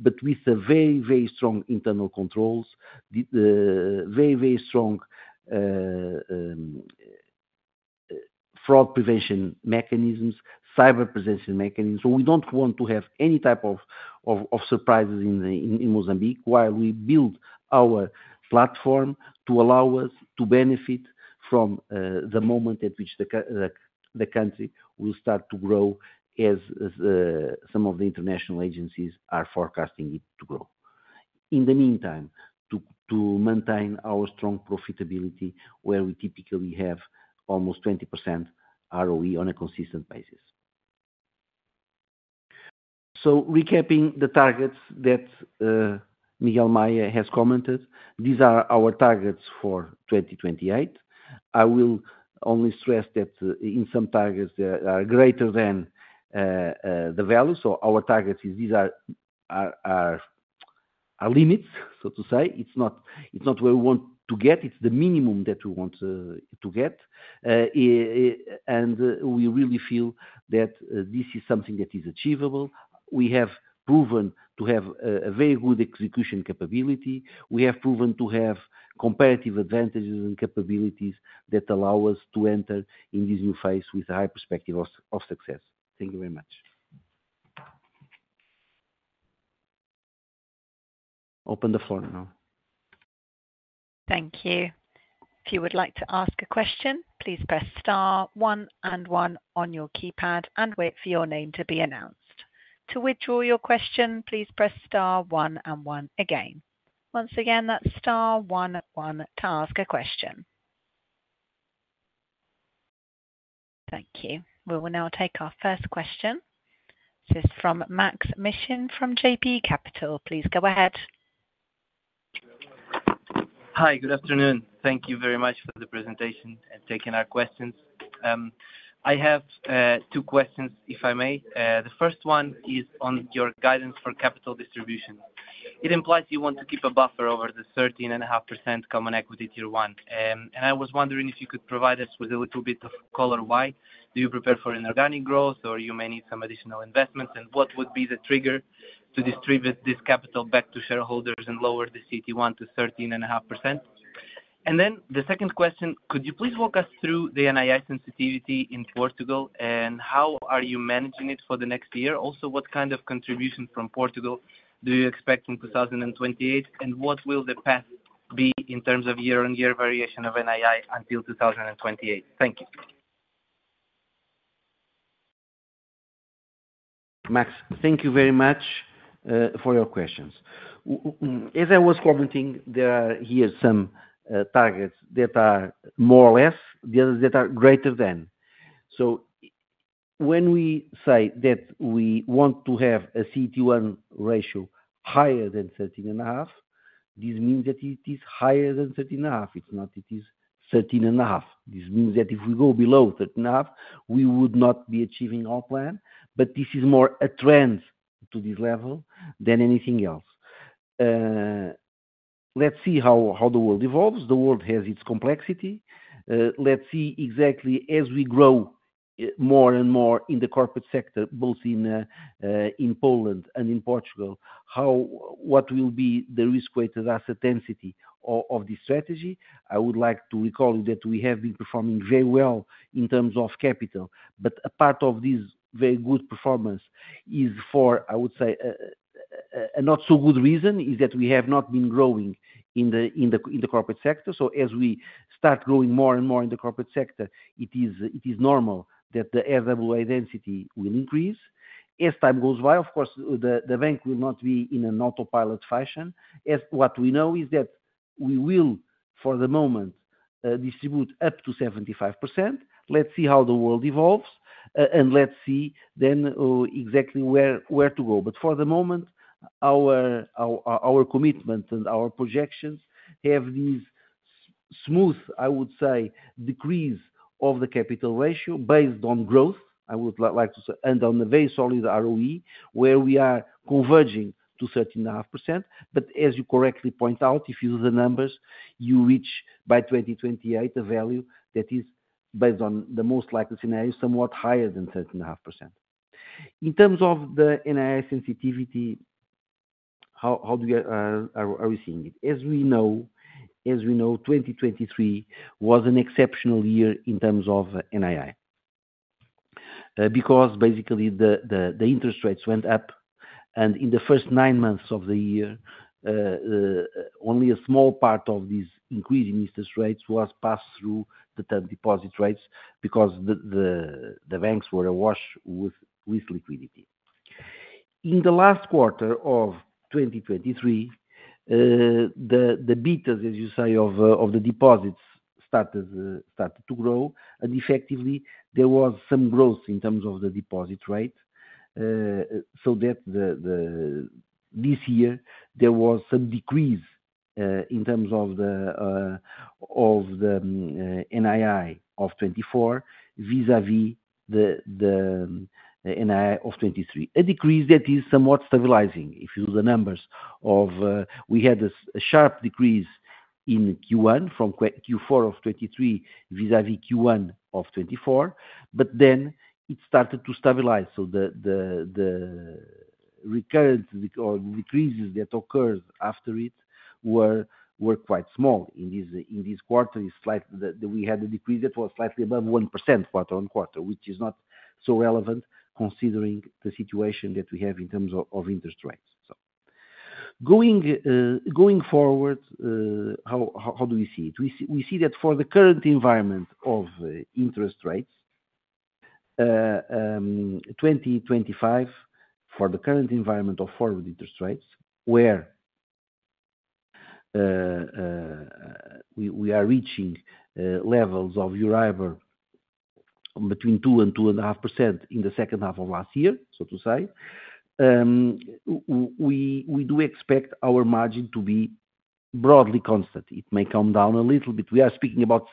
but with very, very strong internal controls, very, very strong fraud prevention mechanisms, cyber presence mechanisms. So we don't want to have any type of surprises in Mozambique while we build our platform to allow us to benefit from the moment at which the country will start to grow as some of the international agencies are forecasting it to grow. In the meantime, to maintain our strong profitability where we typically have almost 20% ROE on a consistent basis. So recapping the targets that Miguel Maya has commented, these are our targets for 2028. I will only stress that in some targets that are greater than the value. So our targets are limits, so to say. It's not where we want to get. It's the minimum that we want to get. And we really feel that this is something that is achievable. We have proven to have a very good execution capability. We have proven to have comparative advantages and capabilities that allow us to enter in this new phase with a high perspective of success. Thank you very much. Open the floor now. Thank you. If you would like to ask a question, please press star one and one on your keypad and wait for your name to be announced. To withdraw your question, please press star one and one again. Once again, that's star one and one to ask a question. Thank you. We will now take our first question. This is from Maksym Mishyn from JB Capital Markets. Please go ahead. Hi, good afternoon. Thank you very much for the presentation and taking our questions. I have two questions, if I may. The first one is on your guidance for capital distribution. It implies you want to keep a buffer over the 13.5% Common Equity Tier 1. And I was wondering if you could provide us with a little bit of color why you prepare for inorganic growth or you may need some additional investments, and what would be the trigger to distribute this capital back to shareholders and lower the CT1 to 13.5%? And then the second question, could you please walk us through the NII sensitivity in Portugal and how are you managing it for the next year? Also, what kind of contribution from Portugal do you expect in 2028, and what will the path be in terms of year-on-year variation of NII until 2028? Thank you. Maks, thank you very much for your questions. As I was commenting, there are here some targets that are more or less, the others that are greater than. So when we say that we want to have a CET1 ratio higher than 13.5%, this means that it is higher than 13.5%. It's not that it is 13.5%. This means that if we go below 13.5%, we would not be achieving our plan, but this is more a trend to this level than anything else. Let's see how the world evolves. The world has its complexity. Let's see exactly as we grow more and more in the corporate sector, both in Poland and in Portugal, what will be the risk-weighted asset density of this strategy. I would like to recall that we have been performing very well in terms of capital, but a part of this very good performance is, for I would say, a not-so-good reason, that we have not been growing in the corporate sector. So as we start growing more and more in the corporate sector, it is normal that the RWA density will increase. As time goes by, of course, the bank will not be in an autopilot fashion. What we know is that we will, for the moment, distribute up to 75%. Let's see how the world evolves, and let's see then exactly where to go. But for the moment, our commitment and our projections have this smooth, I would say, decrease of the capital ratio based on growth, I would like to say, and on a very solid ROE where we are converging to 13.5%. But as you correctly point out, if you use the numbers, you reach by 2028 a value that is, based on the most likely scenario, somewhat higher than 13.5%. In terms of the NII sensitivity, how are we seeing it? As we know, 2023 was an exceptional year in terms of NII because basically the interest rates went up, and in the first nine months of the year, only a small part of this increase in interest rates was passed through the term deposit rates because the banks were awash with liquidity. In the last quarter of 2023, the betas, as you say, of the deposits started to grow, and effectively, there was some growth in terms of the deposit rate. So this year, there was some decrease in terms of the NII of 2024 vis-à-vis the NII of 2023, a decrease that is somewhat stabilizing. If you look at the numbers, we had a sharp decrease in Q1 from Q4 of 2023 vis-à-vis Q1 of 2024, but then it started to stabilize. So the recurrence or decreases that occurred after it were quite small. In this quarter, we had a decrease that was slightly above 1% quarter on quarter, which is not so relevant considering the situation that we have in terms of interest rates. Going forward, how do we see it? We see that for the current environment of interest rates, 2025, for the current environment of forward interest rates, where we are reaching levels of Euribor between 2%-2.5% in the second half of last year, so to say, we do expect our margin to be broadly constant. It may come down a little bit. We are speaking about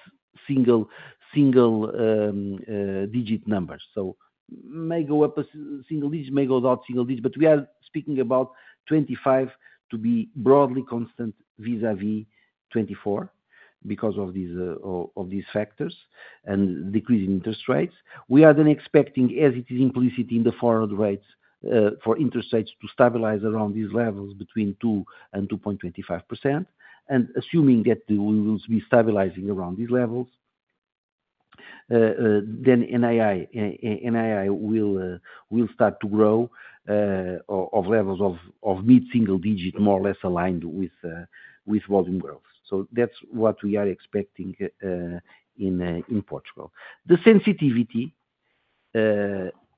single-digit numbers. It may go up a single digit, may go down a single digit, but we are speaking about 2025 to be broadly constant vis-à-vis 2024 because of these factors and decreasing interest rates. We are then expecting, as it is implicit in the forward rates, for interest rates to stabilize around these levels between 2% and 2.25%, and assuming that we will be stabilizing around these levels, then NII will start to grow of levels of mid-single digit, more or less aligned with volume growth, so that's what we are expecting in Portugal. The sensitivity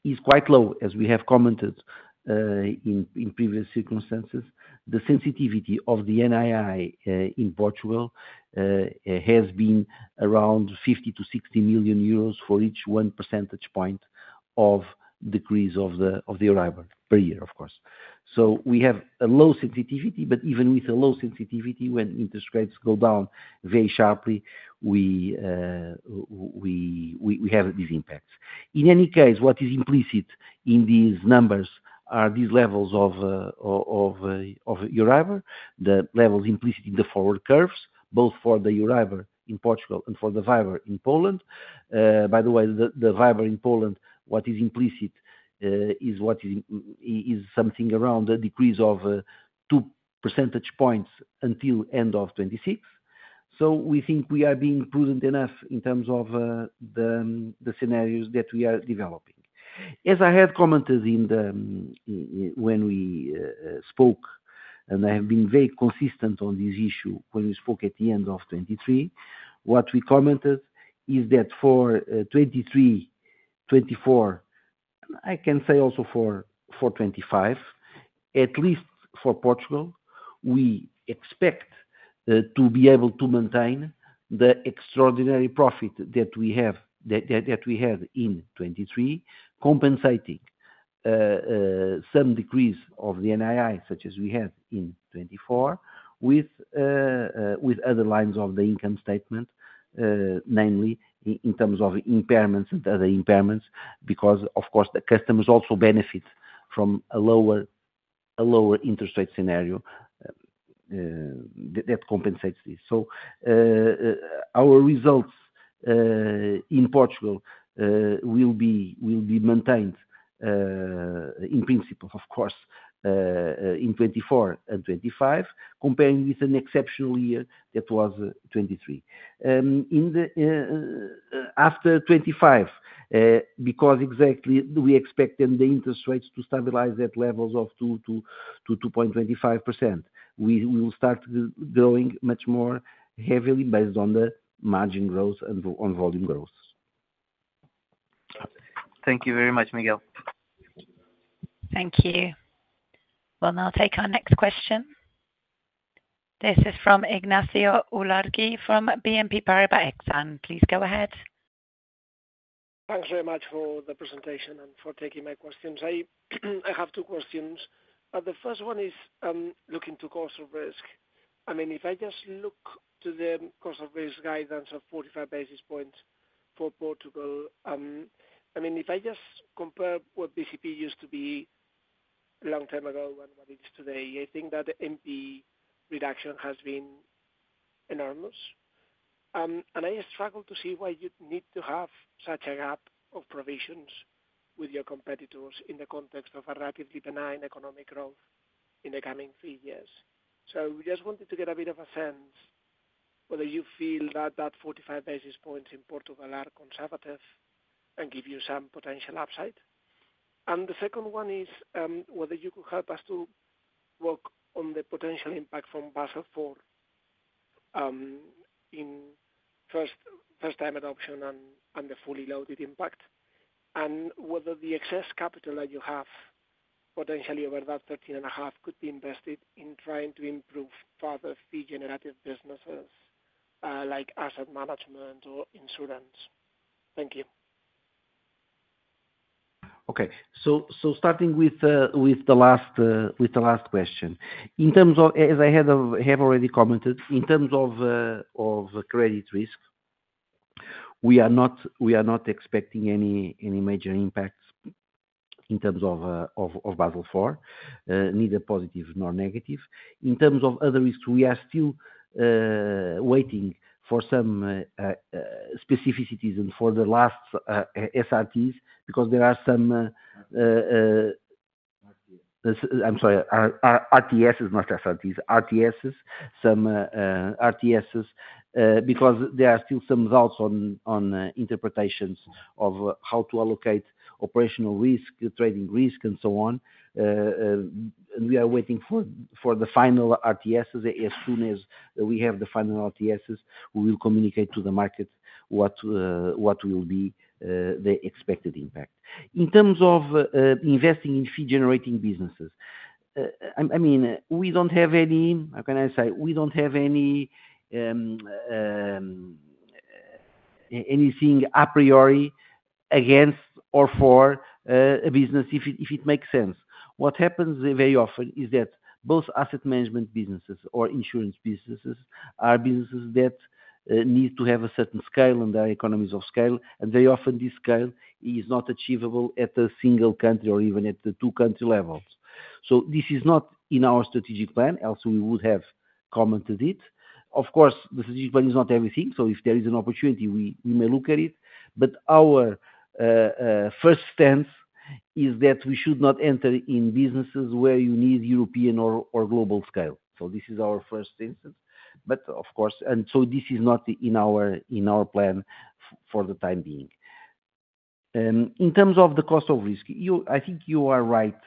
is quite low, as we have commented in previous circumstances. The sensitivity of the NII in Portugal has been around 50 million-60 million euros for each one percentage point of decrease of the Euribor per year, of course. So we have a low sensitivity, but even with a low sensitivity, when interest rates go down very sharply, we have these impacts. In any case, what is implicit in these numbers are these levels of Euribor, the levels implicit in the forward curves, both for the Euribor in Portugal and for the WIBOR in Poland. By the way, the WIBOR in Poland, what is implicit is something around a decrease of 2 percentage points until end of 2026. So we think we are being prudent enough in terms of the scenarios that we are developing. As I had commented when we spoke, and I have been very consistent on this issue when we spoke at the end of 2023, what we commented is that for 2023, 2024, and I can say also for 2025, at least for Portugal, we expect to be able to maintain the extraordinary profit that we had in 2023, compensating some decrease of the NII such as we had in 2024 with other lines of the income statement, namely in terms of impairments and other impairments because, of course, the customers also benefit from a lower interest rate scenario that compensates this. So our results in Portugal will be maintained in principle, of course, in 2024 and 2025, comparing with an exceptional year that was 2023. After 2025, because exactly we expect then the interest rates to stabilize at levels of 2%-2.25%, we will start growing much more heavily based on the margin growth and on volume growth. Thank you very much, Miguel. Thank you. We'll now take our next question. This is from Ignacio Ulargui from BNP Paribas Exane. Please go ahead. Thanks very much for the presentation and for taking my questions. I have two questions. The first one is looking to cost of risk. I mean, if I just look to the cost of risk guidance of 45 basis points for Portugal, I mean, if I just compare what BCP used to be a long time ago and what it is today, I think that the NPE reduction has been enormous. I struggle to see why you'd need to have such a gap of provisions with your competitors in the context of a rapidly benign economic growth in the coming three years. So we just wanted to get a bit of a sense whether you feel that that 45 basis points in Portugal are conservative and give you some potential upside. And the second one is whether you could help us to work on the potential impact from Basel IV in first-time adoption and the fully loaded impact, and whether the excess capital that you have potentially over that 13.5 could be invested in trying to improve further fee-generative businesses like asset management or insurance. Thank you. Okay. So starting with the last question, as I have already commented, in terms of credit risk, we are not expecting any major impacts in terms of Basel IV, neither positive nor negative. In terms of other risks, we are still waiting for some specificities and for the last SRTs because there are some. I'm sorry, RTSs, not SRTs, RTSs, some RTSs because there are still some doubts on interpretations of how to allocate operational risk, trading risk, and so on, and we are waiting for the final RTSs. As soon as we have the final RTSs, we will communicate to the market what will be the expected impact. In terms of investing in fee-generating businesses, I mean, we don't have any, how can I say? We don't have anything a priori against or for a business if it makes sense. What happens very often is that both asset management businesses or insurance businesses are businesses that need to have a certain scale and are economies of scale, and very often this scale is not achievable at a single country or even at the two-country levels. So this is not in our strategic plan, else we would have commented it. Of course, the strategic plan is not everything, so if there is an opportunity, we may look at it, but our first stance is that we should not enter in businesses where you need European or global scale. So this is our first stance, but of course, and so this is not in our plan for the time being. In terms of the cost of risk, I think you are right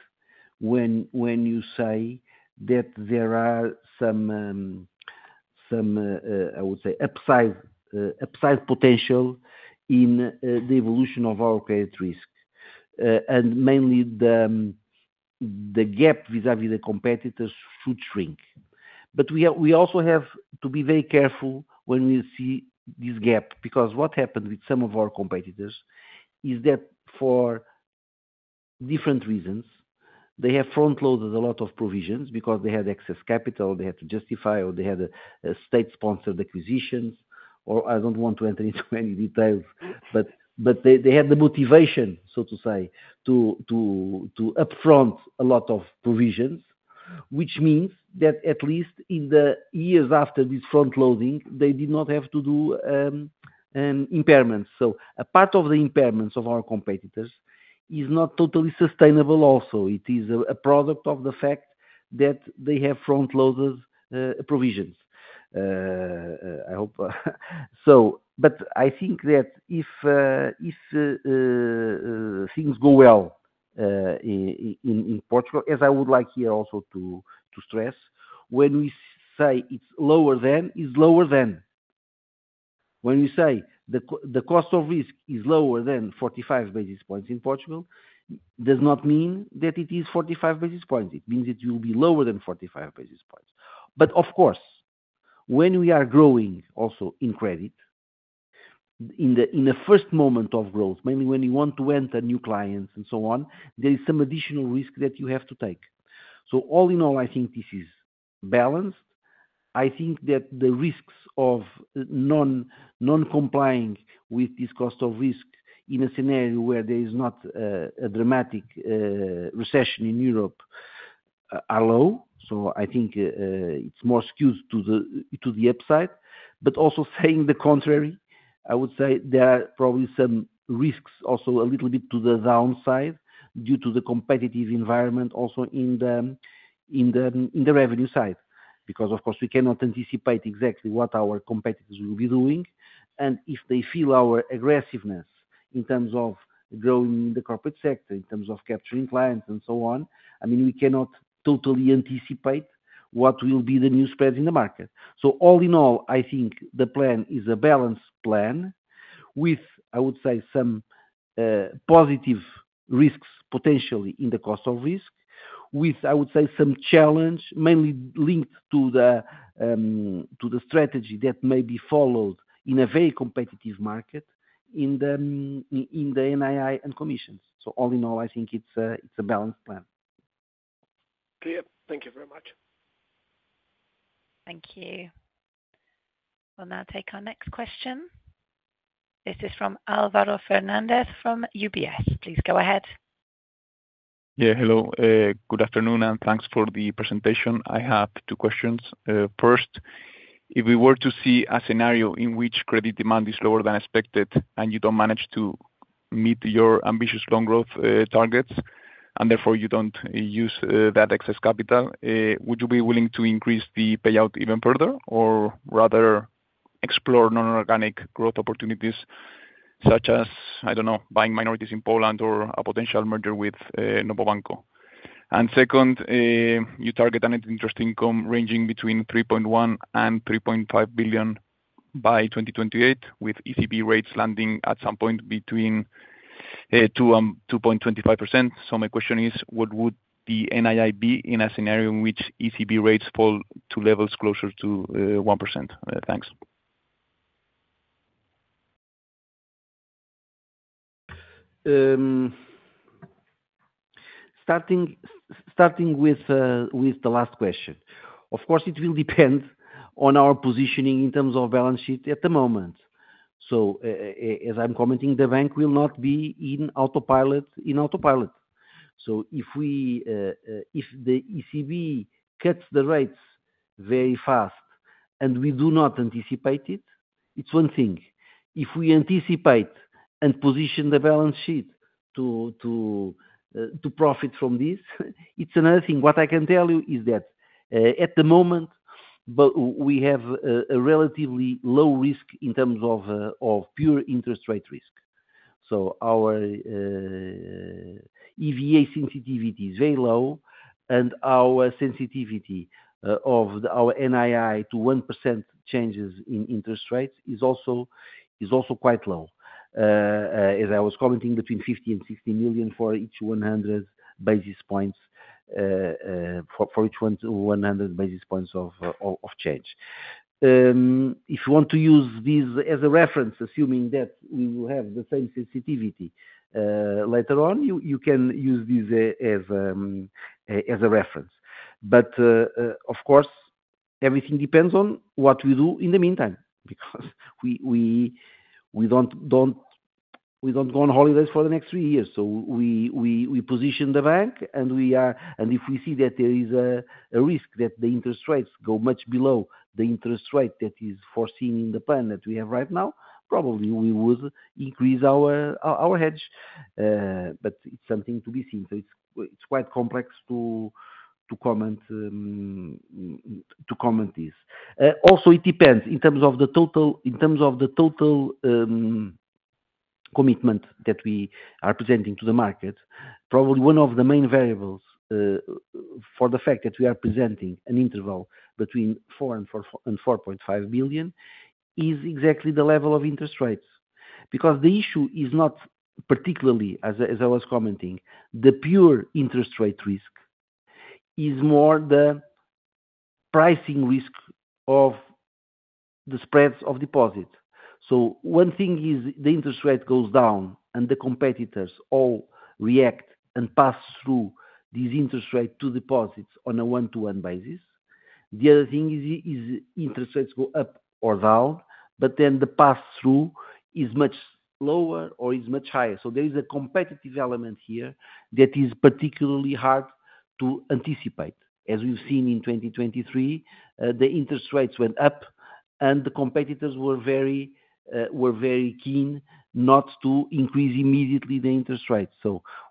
when you say that there are some, I would say, upside potential in the evolution of our credit risk, and mainly the gap vis-à-vis the competitors should shrink. But we also have to be very careful when we see this gap because what happened with some of our competitors is that for different reasons, they have front-loaded a lot of provisions because they had excess capital, they had to justify, or they had state-sponsored acquisitions, or I don't want to enter into any details, but they had the motivation, so to say, to front-load a lot of provisions, which means that at least in the years after this front-loading, they did not have to do impairments. So a part of the impairments of our competitors is not totally sustainable also. It is a product of the fact that they have front-loaded provisions. But I think that if things go well in Portugal, as I would like here also to stress, when we say it's lower than, it's lower than. When we say the cost of risk is lower than 45 basis points in Portugal, it does not mean that it is 45 basis points. It means it will be lower than 45 basis points. But of course, when we are growing also in credit, in the first moment of growth, mainly when you want to enter new clients and so on, there is some additional risk that you have to take. So all in all, I think this is balanced. I think that the risks of non-complying with this cost of risk in a scenario where there is not a dramatic recession in Europe are low. So I think it's more skewed to the upside. But also saying the contrary, I would say there are probably some risks also a little bit to the downside due to the competitive environment also in the revenue side because, of course, we cannot anticipate exactly what our competitors will be doing. And if they feel our aggressiveness in terms of growing in the corporate sector, in terms of capturing clients and so on, I mean, we cannot totally anticipate what will be the new spreads in the market. So all in all, I think the plan is a balanced plan with, I would say, some positive risks potentially in the cost of risk, with, I would say, some challenge mainly linked to the strategy that may be followed in a very competitive market in the NII and commissions. So all in all, I think it's a balanced plan. Clear. Thank you very much. Thank you. We'll now take our next question. This is from Álvaro Fernández from UBS. Please go ahead. Yeah. Hello. Good afternoon and thanks for the presentation. I have two questions. First, if we were to see a scenario in which credit demand is lower than expected and you don't manage to meet your ambitious loan growth targets and therefore you don't use that excess capital, would you be willing to increase the payout even further or rather explore non-organic growth opportunities such as, I don't know, buying minorities in Poland or a potential merger with Novo Banco? And second, you target an interest income ranging between 3.1 and 3.5 billion by 2028 with ECB rates landing at some point between 2.25%. So my question is, what would the NII be in a scenario in which ECB rates fall to levels closer to 1%? Thanks. Starting with the last question, of course, it will depend on our positioning in terms of balance sheet at the moment. So as I'm commenting, the bank will not be in autopilot. So if the ECB cuts the rates very fast and we do not anticipate it, it's one thing. If we anticipate and position the balance sheet to profit from this, it's another thing. What I can tell you is that at the moment, we have a relatively low risk in terms of pure interest rate risk. So our EVE sensitivity is very low, and our sensitivity of our NII to 1% changes in interest rates is also quite low. As I was commenting, between 50 million and 60 million for each 100 basis points of change. If you want to use this as a reference, assuming that we will have the same sensitivity later on, you can use this as a reference. But of course, everything depends on what we do in the meantime because we don't go on holidays for the next three years. So we position the bank, and if we see that there is a risk that the interest rates go much below the interest rate that is foreseen in the plan that we have right now, probably we would increase our hedge. But it's something to be seen. So it's quite complex to comment this. Also, it depends. In terms of the total commitment that we are presenting to the market, probably one of the main variables for the fact that we are presenting an interval between 4 billion and 4.5 billion is exactly the level of interest rates because the issue is not particularly, as I was commenting, the pure interest rate risk. It's more the pricing risk of the spreads of deposits. So one thing is the interest rate goes down and the competitors all react and pass through these interest rates to deposits on a one-to-one basis. The other thing is interest rates go up or down, but then the pass-through is much lower or is much higher. So there is a competitive element here that is particularly hard to anticipate. As we've seen in 2023, the interest rates went up, and the competitors were very keen not to increase immediately the interest rates.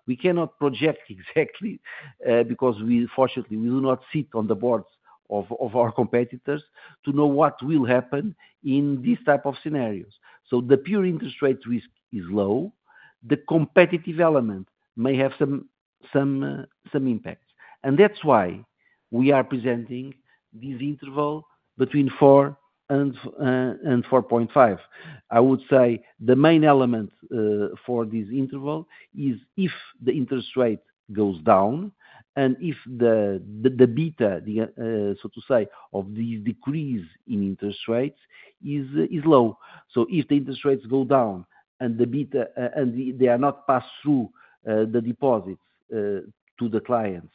We cannot project exactly because, fortunately, we do not sit on the boards of our competitors to know what will happen in these types of scenarios. The pure interest rate risk is low. The competitive element may have some impact. And that's why we are presenting this interval between 4 billion and 4.5 billion. I would say the main element for this interval is if the interest rate goes down and if the beta, so to say, of these decrease in interest rates is low. If the interest rates go down and they are not passed through the deposits to the clients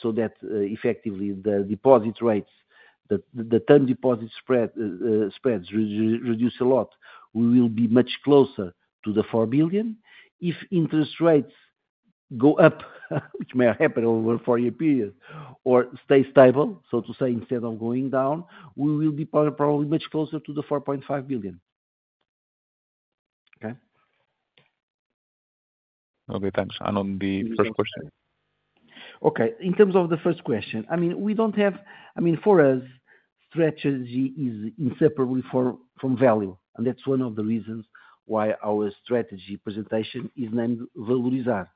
so that effectively the deposit rates, the term deposit spreads reduce a lot, we will be much closer to the 4 billion. If interest rates go up, which may happen over a four-year period, or stay stable, so to say, instead of going down, we will be probably much closer to the 4.5 billion. Okay. Okay. Thanks, and on the first question. Okay. In terms of the first question, I mean, for us, strategy is inseparable from value, and that's one of the reasons why our strategy presentation is named Valorizar,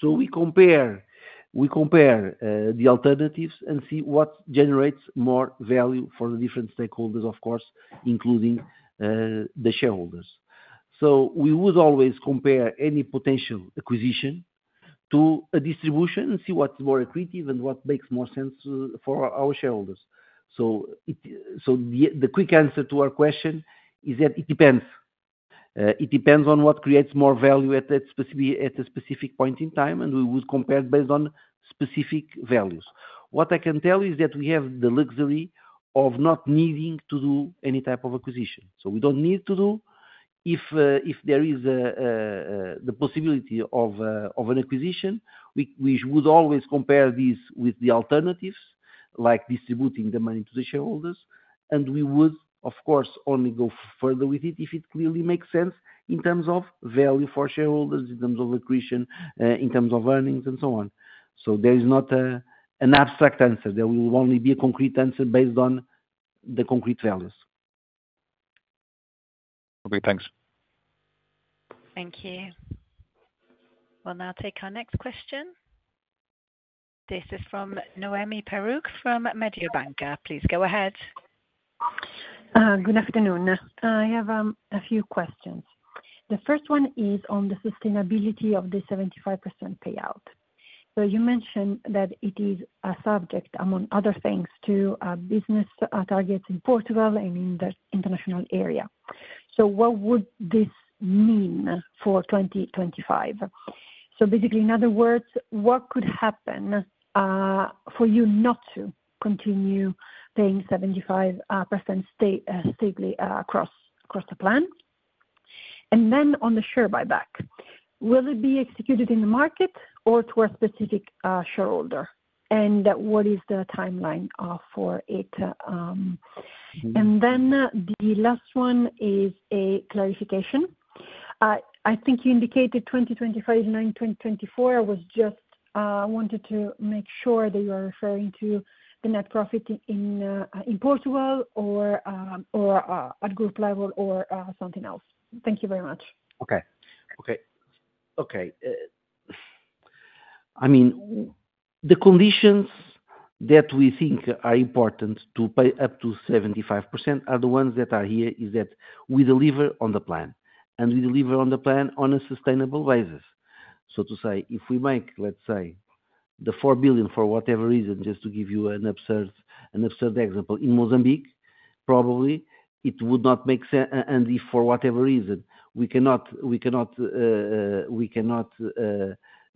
so we compare the alternatives and see what generates more value for the different stakeholders, of course, including the shareholders, so we would always compare any potential acquisition to a distribution and see what's more accretive and what makes more sense for our shareholders, so the quick answer to our question is that it depends. It depends on what creates more value at a specific point in time, and we would compare based on specific values. What I can tell you is that we have the luxury of not needing to do any type of acquisition. So we don't need to do. If there is the possibility of an acquisition, we would always compare this with the alternatives, like distributing the money to the shareholders. And we would, of course, only go further with it if it clearly makes sense in terms of value for shareholders, in terms of accretion, in terms of earnings, and so on. So there is not an abstract answer. There will only be a concrete answer based on the concrete values. Okay. Thanks. Thank you. We'll now take our next question. This is from Noemi Peruch from Mediobanca. Please go ahead. Good afternoon. I have a few questions. The first one is on the sustainability of the 75% payout. So you mentioned that it is a subject, among other things, to business targets in Portugal and in the international area. So what would this mean for 2025? So basically, in other words, what could happen for you not to continue paying 75% steadily across the plan? And then on the share buyback, will it be executed in the market or to a specific shareholder? And what is the timeline for it? And then the last one is a clarification. I think you indicated 2025, 2024. I wanted to make sure that you are referring to the net profit in Portugal or at group level or something else. Thank you very much. Okay. Okay. Okay. I mean, the conditions that we think are important to pay up to 75% are the ones that are here is that we deliver on the plan. We deliver on the plan on a sustainable basis. So to say, if we make, let's say, 4 billion for whatever reason, just to give you an absurd example, in Mozambique, probably it would not make sense. And if for whatever reason we cannot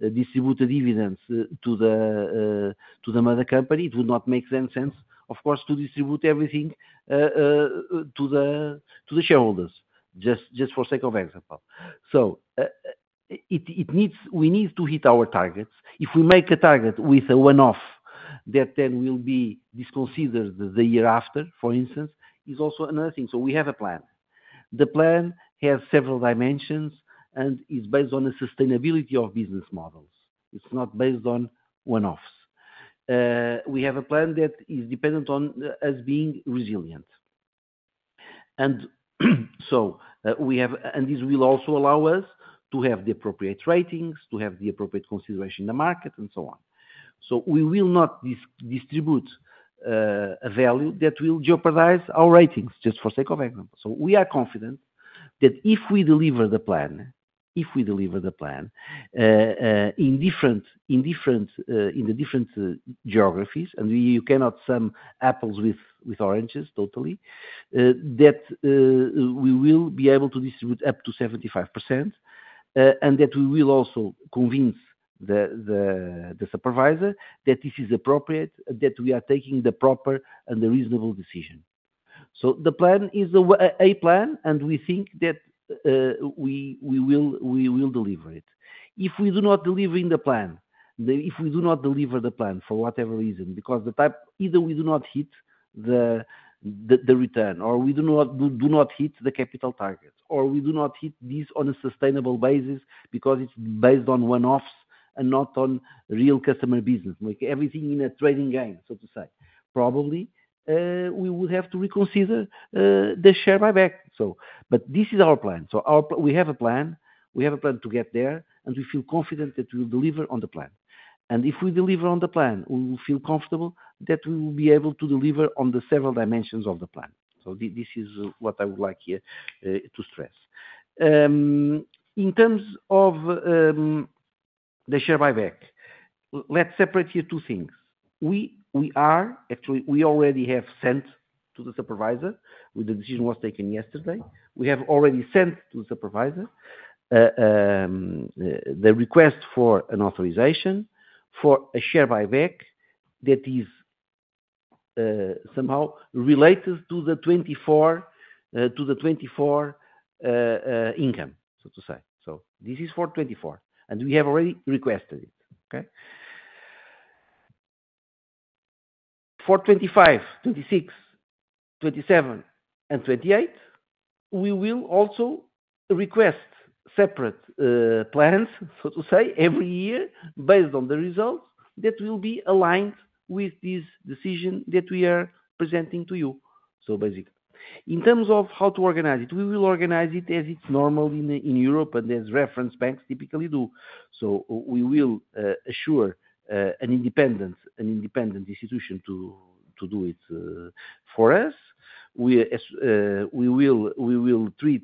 distribute the dividends to the mother company, it would not make any sense, of course, to distribute everything to the shareholders, just for sake of example. So we need to hit our targets. If we make a target with a one-off that then will be disconsidered the year after, for instance, is also another thing. So we have a plan. The plan has several dimensions and is based on the sustainability of business models. It's not based on one-offs. We have a plan that is dependent on us being resilient. This will also allow us to have the appropriate ratings, to have the appropriate consideration in the market, and so on. So we will not distribute a value that will jeopardize our ratings, just for sake of example. So we are confident that if we deliver the plan, if we deliver the plan in the different geographies, and you cannot sum apples with oranges totally, that we will be able to distribute up to 75% and that we will also convince the supervisor that this is appropriate, that we are taking the proper and the reasonable decision. So the plan is a plan, and we think that we will deliver it. If we do not deliver the plan, if we do not deliver the plan for whatever reason, because either we do not hit the return, or we do not hit the capital target, or we do not hit this on a sustainable basis because it's based on one-offs and not on real customer business, everything in a trading game, so to say, probably we would have to reconsider the share buyback. But this is our plan. So we have a plan. We have a plan to get there, and we feel confident that we will deliver on the plan. And if we deliver on the plan, we will feel comfortable that we will be able to deliver on the several dimensions of the plan. So this is what I would like here to stress. In terms of the share buyback, let's separate here two things. Actually, we already have sent to the supervisor with the decision that was taken yesterday. We have already sent to the supervisor the request for an authorization for a share buyback that is somehow related to the 2024 income, so to say, so this is for 2024, and we have already requested it. Okay. For 2025, 2026, 2027, and 2028, we will also request separate plans, so to say, every year based on the results that will be aligned with this decision that we are presenting to you, so basically, in terms of how to organize it, we will organize it as it's normal in Europe and as reference banks typically do, so we will assure an independent institution to do it for us. We will treat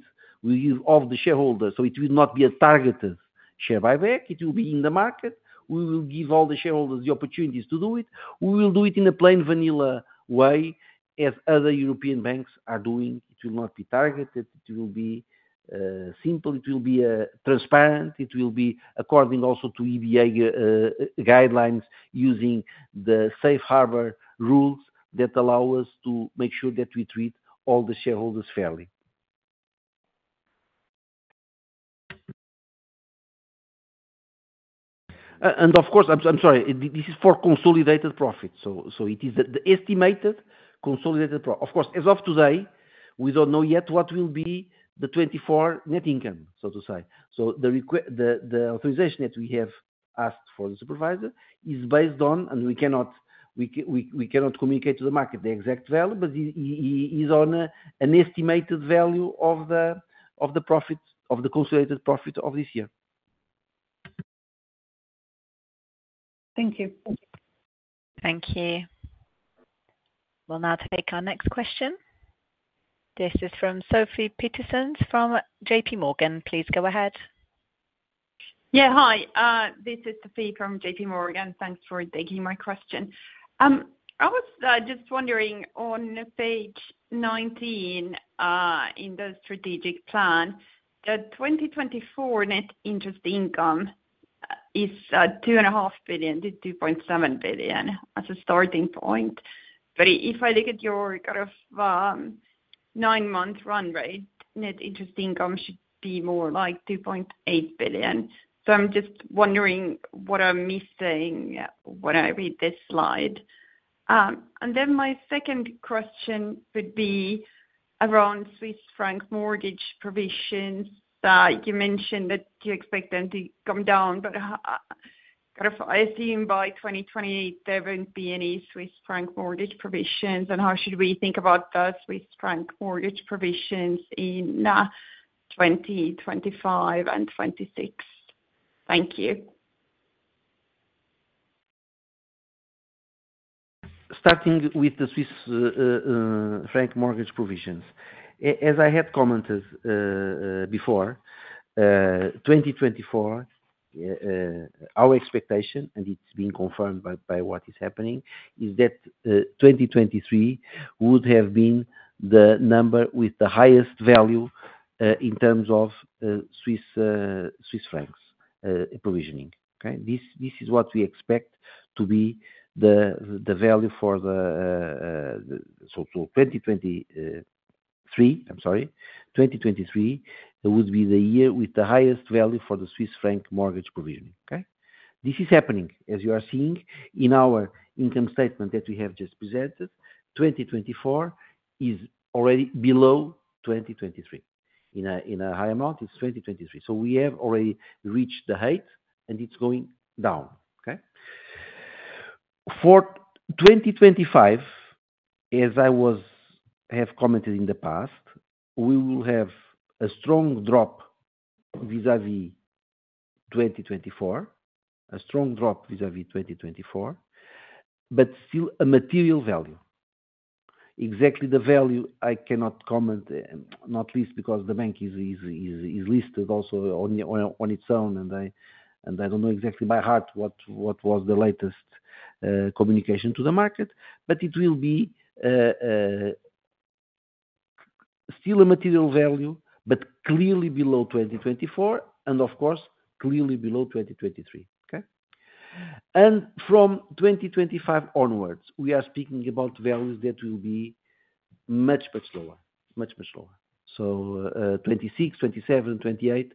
all the shareholders, so it will not be a targeted share buyback. It will be in the market. We will give all the shareholders the opportunities to do it. We will do it in a plain vanilla way as other European banks are doing. It will not be targeted. It will be simple. It will be transparent. It will be according also to EBA guidelines using the safe harbor rules that allow us to make sure that we treat all the shareholders fairly. And of course, I'm sorry, this is for consolidated profit. So it is the estimated consolidated profit. Of course, as of today, we don't know yet what will be the 2024 net income, so to say. So the authorization that we have asked for the supervisor is based on, and we cannot communicate to the market the exact value, but it is on an estimated value of the consolidated profit of this year. Thank you. Thank you. We'll now take our next question. This is from Sofie Peterzens from JPMorgan. Please go ahead. Yeah. Hi. This is Sofie from JPMorgan. Thanks for taking my question. I was just wondering on page 19 in the strategic plan, the 2024 net interest income is 2.5 billion, 2.7 billion as a starting point. But if I look at your kind of nine-month run rate, net interest income should be more like 2.8 billion. So I'm just wondering what I'm missing when I read this slide. And then my second question would be around Swiss franc mortgage provisions. You mentioned that you expect them to come down, but kind of I assume by 2028, there won't be any Swiss franc mortgage provisions. And how should we think about the Swiss franc mortgage provisions in 2025 and 2026? Thank you. Starting with the Swiss franc mortgage provisions, as I had commented before, in 2024, our expectation, and it's being confirmed by what is happening, is that 2023 would have been the number with the highest value in terms of Swiss francs provisioning. Okay? This is what we expect to be the value for 2023. I'm sorry, 2023 would be the year with the highest value for the Swiss franc mortgage provision. Okay? This is happening, as you are seeing in our income statement that we have just presented. 2024 is already below 2023. In a high amount, it's 2023. So we have already reached the height, and it's going down. Okay? For 2025, as I have commented in the past, we will have a strong drop vis-à-vis 2024, a strong drop vis-à-vis 2024, but still a material value. Exactly the value. I cannot comment, not least because the bank is listed also on its own, and I don't know exactly by heart what was the latest communication to the market. But it will be still a material value, but clearly below 2024, and of course, clearly below 2023. Okay? And from 2025 onwards, we are speaking about values that will be much, much lower, much, much lower. So 26, 27, 28,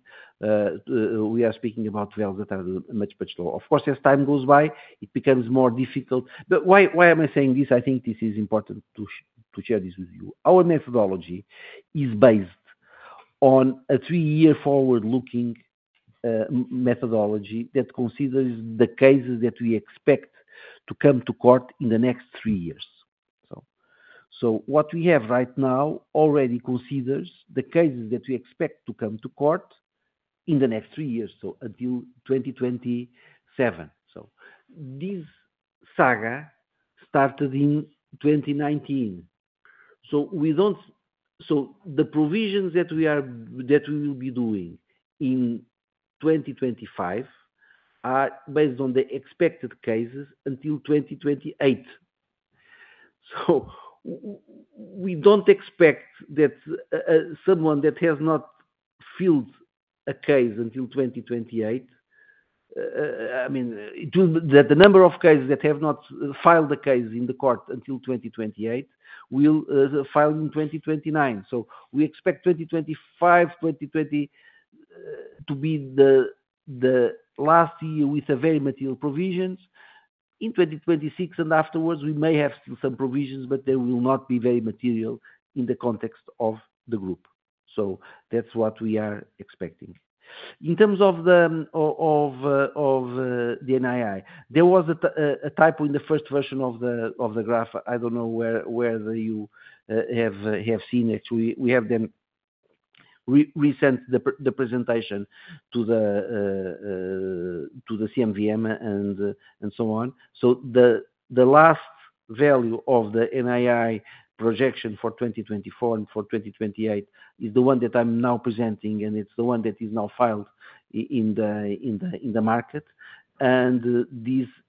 we are speaking about values that are much, much lower. Of course, as time goes by, it becomes more difficult. But why am I saying this? I think this is important to share this with you. Our methodology is based on a three-year forward-looking methodology that considers the cases that we expect to come to court in the next three years. What we have right now already considers the cases that we expect to come to court in the next three years, so until 2027. This saga started in 2019. The provisions that we will be doing in 2025 are based on the expected cases until 2028. We don't expect that someone that has not filed a case until 2028, I mean, the number of cases that have not filed a case in the court until 2028 will file in 2029. We expect 2025, 2026 to be the last year with very material provisions. In 2026 and afterwards, we may have still some provisions, but they will not be very material in the context of the group. That's what we are expecting. In terms of the NII, there was a typo in the first version of the graph. I don't know where you have seen it. We have then re-sent the presentation to the CMVM and so on. So the last value of the NII projection for 2024 and for 2028 is the one that I'm now presenting, and it's the one that is now filed in the market. And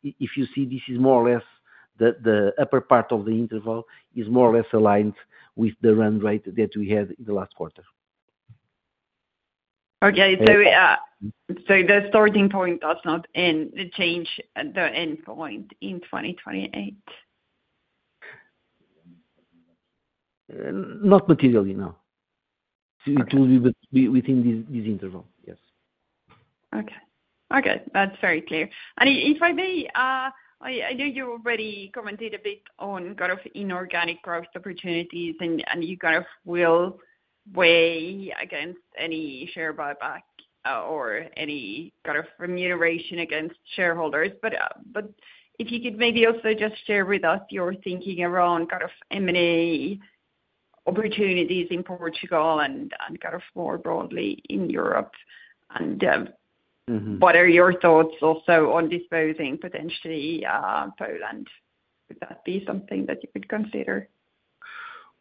if you see, this is more or less the upper part of the interval is more or less aligned with the run rate that we had in the last quarter. Okay. So the starting point does not change the end point in 2028? Not materially, no. It will be within this interval, yes. Okay. Okay. That's very clear. And if I may, I know you already commented a bit on kind of inorganic growth opportunities, and you kind of will weigh against any share buyback or any kind of remuneration against shareholders. But if you could maybe also just share with us your thinking around kind of M&A opportunities in Portugal and kind of more broadly in Europe? And what are your thoughts also on disposing potentially Poland? Would that be something that you could consider?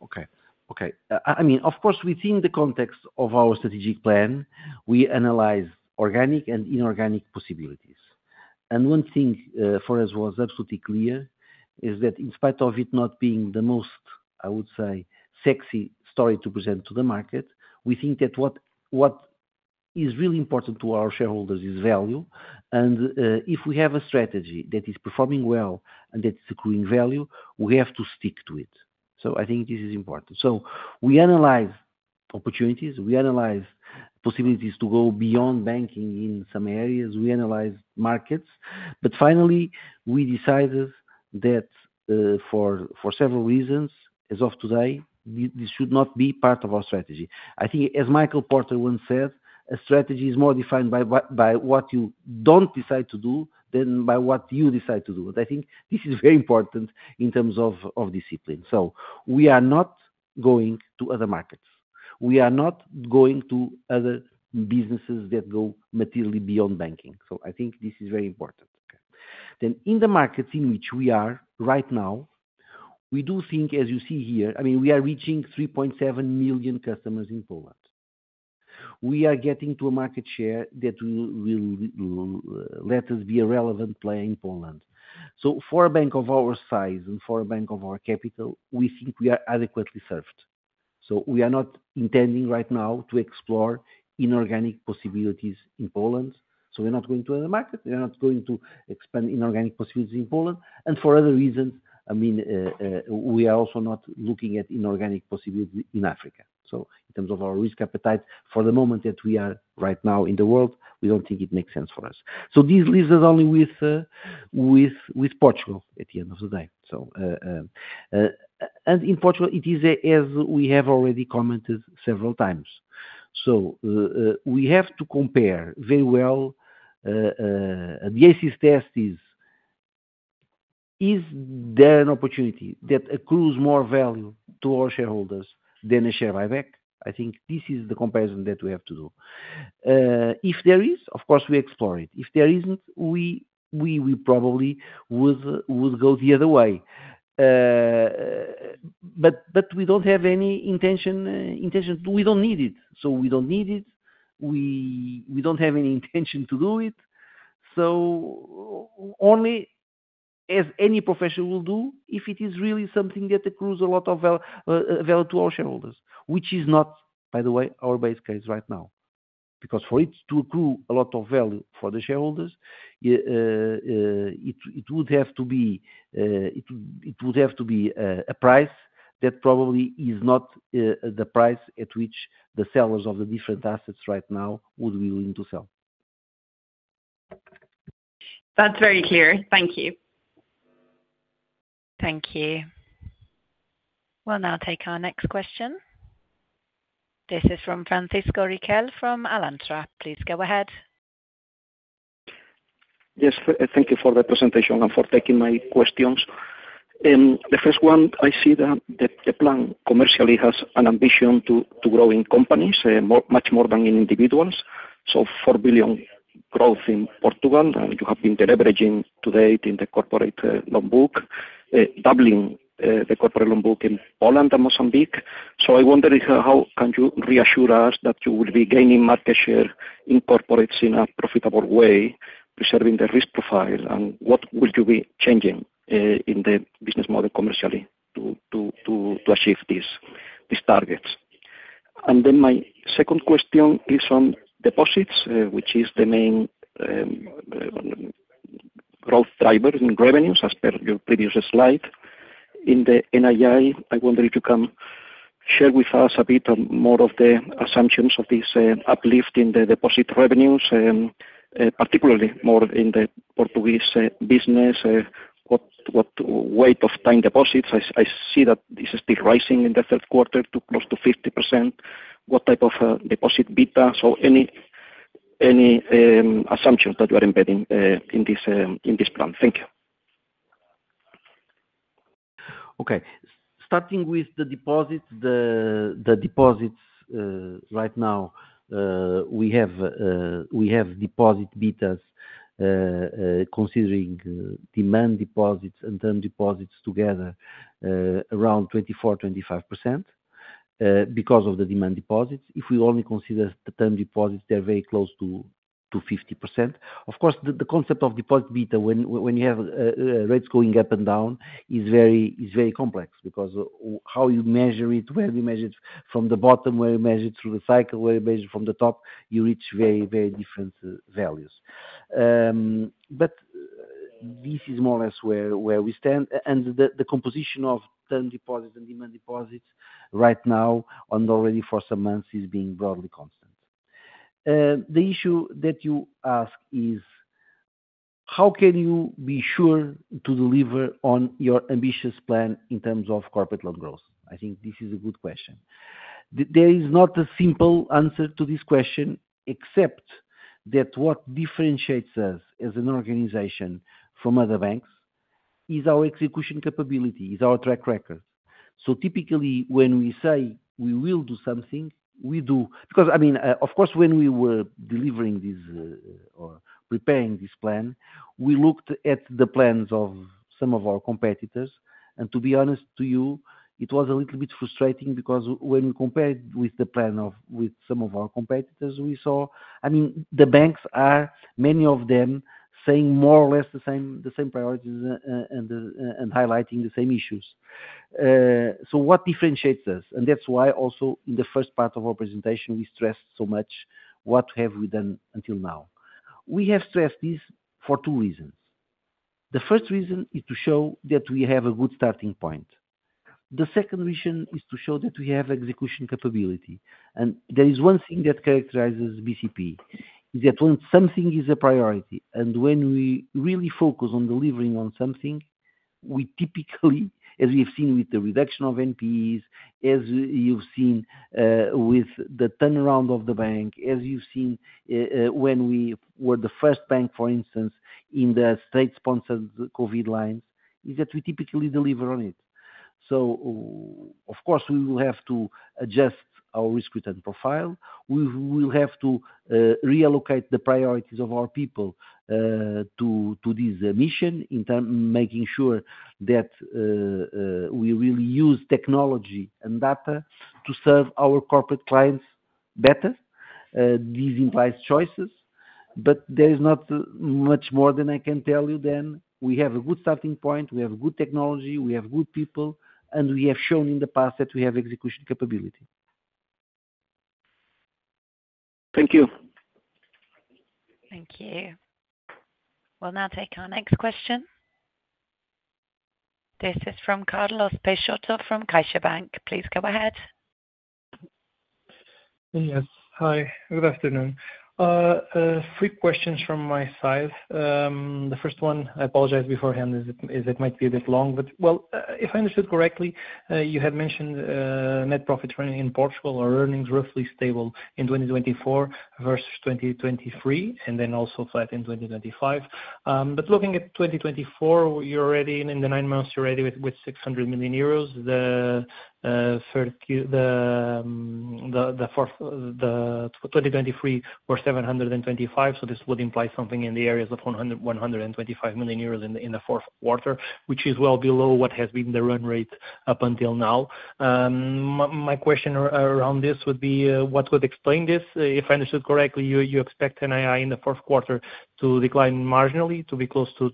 Okay. Okay. I mean, of course, within the context of our strategic plan, we analyze organic and inorganic possibilities. And one thing for us was absolutely clear is that in spite of it not being the most, I would say, sexy story to present to the market, we think that what is really important to our shareholders is value. And if we have a strategy that is performing well and that is accruing value, we have to stick to it. So I think this is important. So we analyze opportunities. We analyze possibilities to go beyond banking in some areas. We analyze markets. But finally, we decided that for several reasons, as of today, this should not be part of our strategy. I think, as Michael Porter once said, a strategy is more defined by what you don't decide to do than by what you decide to do. But I think this is very important in terms of discipline. So we are not going to other markets. We are not going to other businesses that go materially beyond banking. So I think this is very important. Okay. Then in the markets in which we are right now, we do think, as you see here, I mean, we are reaching 3.7 million customers in Poland. We are getting to a market share that will let us be a relevant player in Poland. So for a bank of our size and for a bank of our capital, we think we are adequately served. We are not intending right now to explore inorganic possibilities in Poland. We're not going to other markets. We're not going to expand inorganic possibilities in Poland. For other reasons, I mean, we are also not looking at inorganic possibilities in Africa. In terms of our risk appetite, for the moment that we are right now in the world, we don't think it makes sense for us. This leaves us only with Portugal at the end of the day. In Portugal, it is, as we have already commented several times. We have to compare very well. The acid test is, is there an opportunity that accrues more value to our shareholders than a share buyback? I think this is the comparison that we have to do. If there is, of course, we explore it. If there isn't, we probably would go the other way, but we don't have any intention. We don't need it, so we don't need it. We don't have any intention to do it, so only as any profession will do if it is really something that accrues a lot of value to our shareholders, which is not, by the way, our base case right now. Because for it to accrue a lot of value for the shareholders, it would have to be a price that probably is not the price at which the sellers of the different assets right now would be willing to sell. That's very clear. Thank you. Thank you. We'll now take our next question. This is from Francisco Riquel from Alantra. Please go ahead. Yes. Thank you for the presentation and for taking my questions. The first one, I see that the plan commercially has an ambition to grow in companies, much more than in individuals. So 4 billion growth in Portugal. You have been leveraging to date in the corporate loan book, doubling the corporate loan book in Poland and Mozambique. So I wonder how can you reassure us that you will be gaining market share in corporates in a profitable way, preserving the risk profile, and what would you be changing in the business model commercially to achieve these targets? And then my second question is on deposits, which is the main growth driver in revenues, as per your previous slide. In the NII, I wonder if you can share with us a bit more of the assumptions of this uplift in the deposit revenues, particularly more in the Portuguese business, what weight of time deposits? I see that this is still rising in the third quarter to close to 50%. What type of deposit beta? So any assumptions that you are embedding in this plan? Thank you. Okay. Starting with the deposits, right now, we have deposit betas considering demand deposits and term deposits together around 24-25% because of the demand deposits. If we only consider term deposits, they're very close to 50%. Of course, the concept of deposit beta, when you have rates going up and down, is very complex because how you measure it, where you measure it from the bottom, where you measure it through the cycle, where you measure it from the top, you reach very, very different values. But this is more or less where we stand, and the composition of term deposits and demand deposits right now and already for some months is being broadly constant. The issue that you ask is, how can you be sure to deliver on your ambitious plan in terms of corporate loan growth? I think this is a good question. There is not a simple answer to this question, except that what differentiates us as an organization from other banks is our execution capability, is our track record. So typically, when we say we will do something, we do. Because, I mean, of course, when we were delivering this or preparing this plan, we looked at the plans of some of our competitors. And to be honest to you, it was a little bit frustrating because when we compared with the plan of some of our competitors, we saw, I mean, the banks are, many of them, saying more or less the same priorities and highlighting the same issues. So what differentiates us? And that's why also in the first part of our presentation, we stressed so much what have we done until now. We have stressed this for two reasons. The first reason is to show that we have a good starting point. The second reason is to show that we have execution capability. And there is one thing that characterizes BCP, is that when something is a priority and when we really focus on delivering on something, we typically, as we have seen with the reduction of NPEs, as you've seen with the turnaround of the bank, as you've seen when we were the first bank, for instance, in the state-sponsored COVID lines, is that we typically deliver on it. So of course, we will have to adjust our risk return profile. We will have to reallocate the priorities of our people to this mission in making sure that we really use technology and data to serve our corporate clients better. These imply choices. But there is not much more than I can tell you than we have a good starting point, we have good technology, we have good people, and we have shown in the past that we have execution capability. Thank you. Thank you. We'll now take our next question. This is from Carlos Peixoto from CaixaBank. Please go ahead. Yes. Hi. Good afternoon. Three questions from my side. The first one, I apologize beforehand as it might be a bit long. But well, if I understood correctly, you had mentioned net profit running in Portugal or earnings roughly stable in 2024 versus 2023, and then also flat in 2025. But looking at 2024, you're already in the nine months, you're already with 600 million euros. The 2023 were 725 million, so this would imply something in the areas of 125 million euros in the fourth quarter, which is well below what has been the run rate up until now. My question around this would be, what would explain this? If I understood correctly, you expect NII in the fourth quarter to decline marginally, to be close to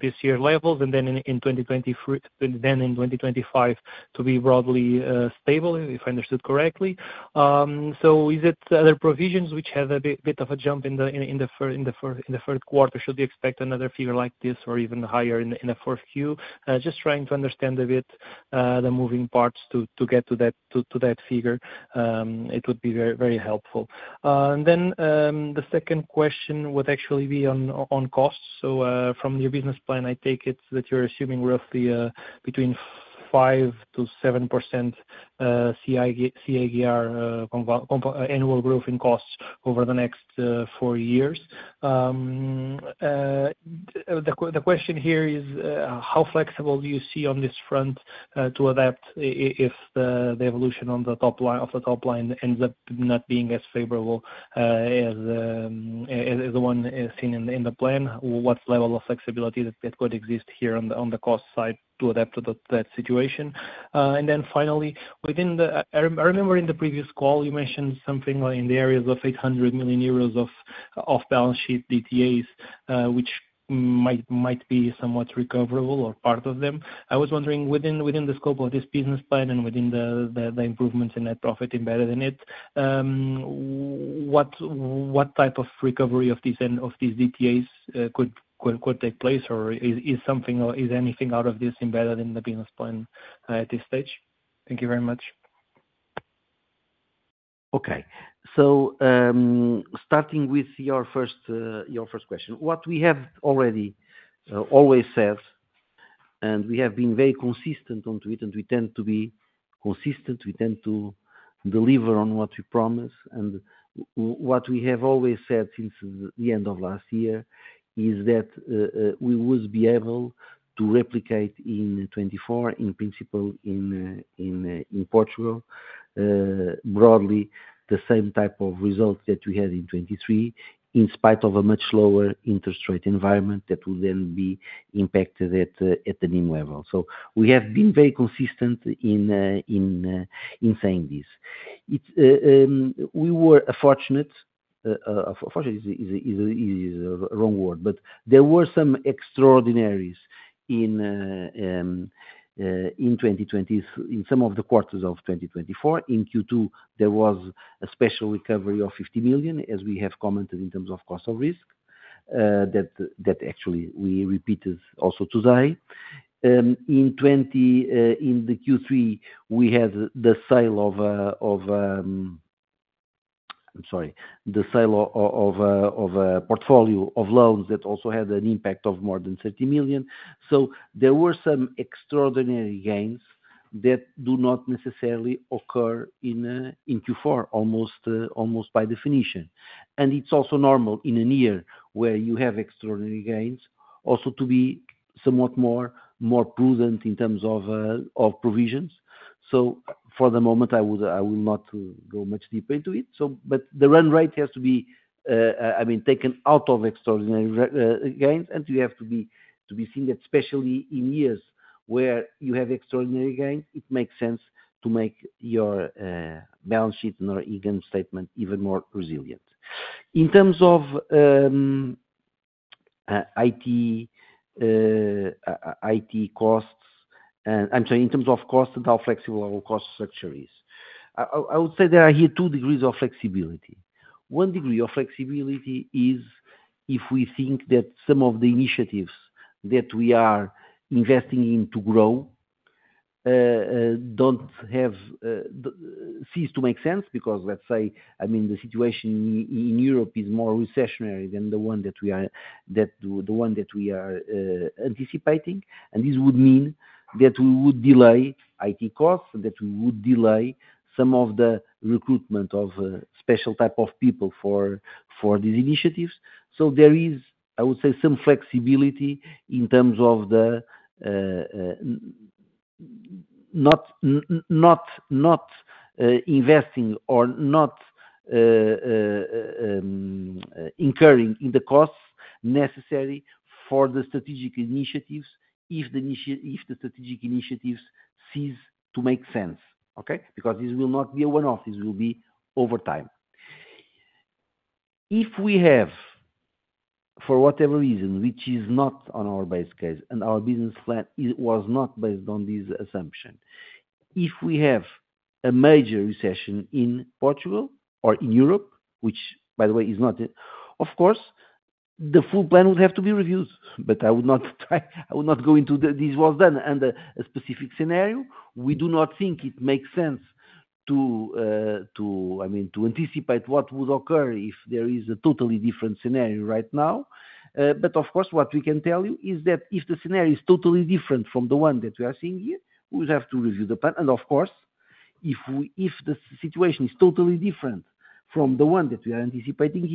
this year's levels, and then in 2025 to be broadly stable, if I understood correctly. So is it other provisions which have a bit of a jump in the third quarter? Should we expect another figure like this or even higher in the fourth Q? Just trying to understand a bit the moving parts to get to that figure. It would be very helpful. The second question would actually be on costs. From your business plan, I take it that you're assuming roughly between 5%-7% CAGR annual growth in costs over the next four years. The question here is, how flexible do you see on this front to adapt if the evolution of the top line ends up not being as favorable as the one seen in the plan? What level of flexibility that could exist here on the cost side to adapt to that situation? Finally, I remember in the previous call, you mentioned something in the areas of 800 million euros of balance sheet DTAs, which might be somewhat recoverable or part of them. I was wondering, within the scope of this business plan and within the improvements in net profit embedded in it, what type of recovery of these DTAs could take place? Or is anything out of this embedded in the business plan at this stage? Thank you very much. Okay. So starting with your first question, what we have already always said, and we have been very consistent onto it, and we tend to be consistent. We tend to deliver on what we promise. And what we have always said since the end of last year is that we would be able to replicate in 2024, in principle, in Portugal, broadly the same type of result that we had in 2023, in spite of a much lower interest rate environment that would then be impacted at the new level. So we have been very consistent in saying this. We were fortunate. Fortunate is a wrong word, but there were some extraordinaries in some of the quarters of 2024. In Q2, there was a special recovery of 50 million, as we have commented in terms of cost of risk, that actually we repeated also today. In Q3, we had the sale of a portfolio of loans that also had an impact of more than 30 million. So there were some extraordinary gains that do not necessarily occur in Q4, almost by definition, and it's also normal in a year where you have extraordinary gains also to be somewhat more prudent in terms of provisions. So for the moment, I will not go much deeper into it, but the run rate has to be, I mean, taken out of extraordinary gains, and you have to be seen that especially in years where you have extraordinary gains, it makes sense to make your balance sheet and your income statement even more resilient. In terms of IT costs, I'm sorry, in terms of cost and how flexible our cost structure is, I would say there are here two degrees of flexibility. One degree of flexibility is if we think that some of the initiatives that we are investing in to grow don't seem to make sense because, let's say, I mean, the situation in Europe is more recessionary than the one that we are, the one that we are anticipating, and this would mean that we would delay IT costs and that we would delay some of the recruitment of special types of people for these initiatives, so there is, I would say, some flexibility in terms of not investing or not incurring in the costs necessary for the strategic initiatives if the strategic initiatives cease to make sense, okay? Because this will not be a one-off. This will be over time. If we have, for whatever reason, which is not on our base case and our business plan was not based on this assumption, if we have a major recession in Portugal or in Europe, which, by the way, is not. Of course, the full plan would have to be reviewed. But I would not go into this was done and a specific scenario. We do not think it makes sense to, I mean, to anticipate what would occur if there is a totally different scenario right now. But of course, what we can tell you is that if the scenario is totally different from the one that we are seeing here, we would have to review the plan. Of course, if the situation is totally different from the one that we are anticipating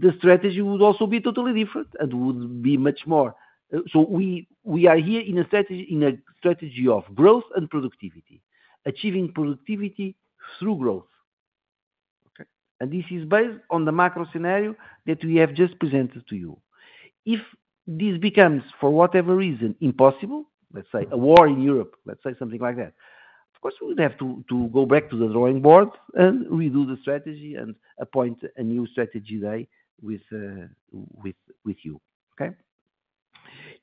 here, the strategy would also be totally different and would be much more, so we are here in a strategy of growth and productivity, achieving productivity through growth. Okay? This is based on the macro scenario that we have just presented to you. If this becomes, for whatever reason, impossible, let's say a war in Europe, let's say something like that, of course, we would have to go back to the drawing board and redo the strategy and appoint a new strategy day with you, okay?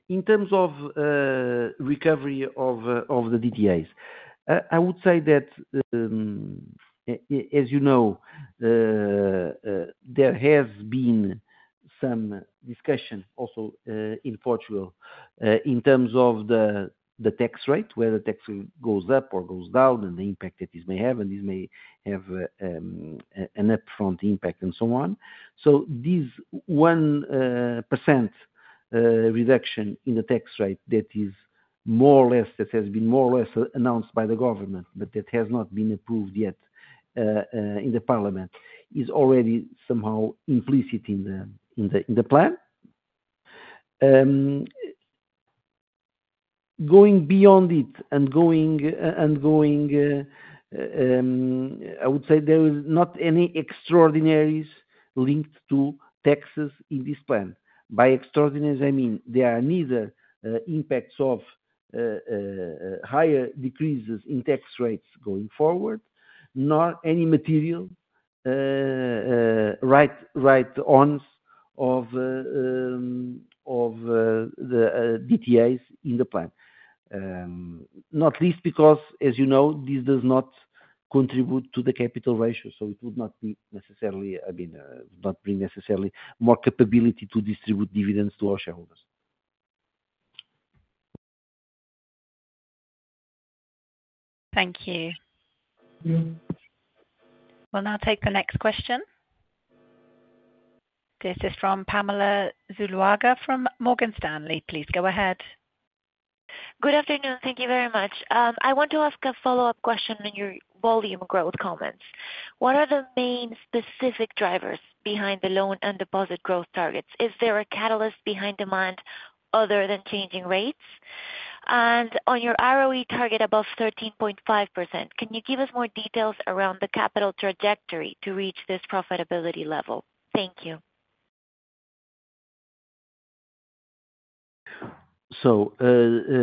In terms of recovery of the DTAs, I would say that, as you know, there has been some discussion also in Portugal in terms of the tax rate, whether the tax rate goes up or goes down and the impact that this may have, and this may have an upfront impact and so on. So this 1% reduction in the tax rate that is more or less, that has been more or less announced by the government, but that has not been approved yet in the parliament, is already somehow implicit in the plan. Going beyond it and going, I would say there are not any extraordinaries linked to taxes in this plan. By extraordinaries, I mean there are neither impacts of higher decreases in tax rates going forward, nor any material write-ons of the DTAs in the plan. Not least because, as you know, this does not contribute to the capital ratio. So it would not be necessarily. I mean, it would not bring necessarily more capability to distribute dividends to our shareholders. Thank you. We'll now take the next question. This is from Pamela Zuluaga from Morgan Stanley. Please go ahead. Good afternoon. Thank you very much. I want to ask a follow-up question on your volume growth comments. What are the main specific drivers behind the loan and deposit growth targets? Is there a catalyst behind demand other than changing rates? And on your ROE target above 13.5%, can you give us more details around the capital trajectory to reach this profitability level? Thank you. So the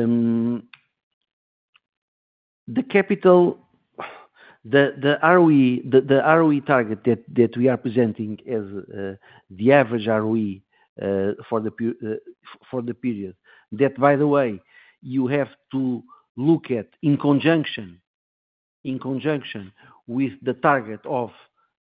ROE target that we are presenting as the average ROE for the period, that, by the way, you have to look at in conjunction with the target of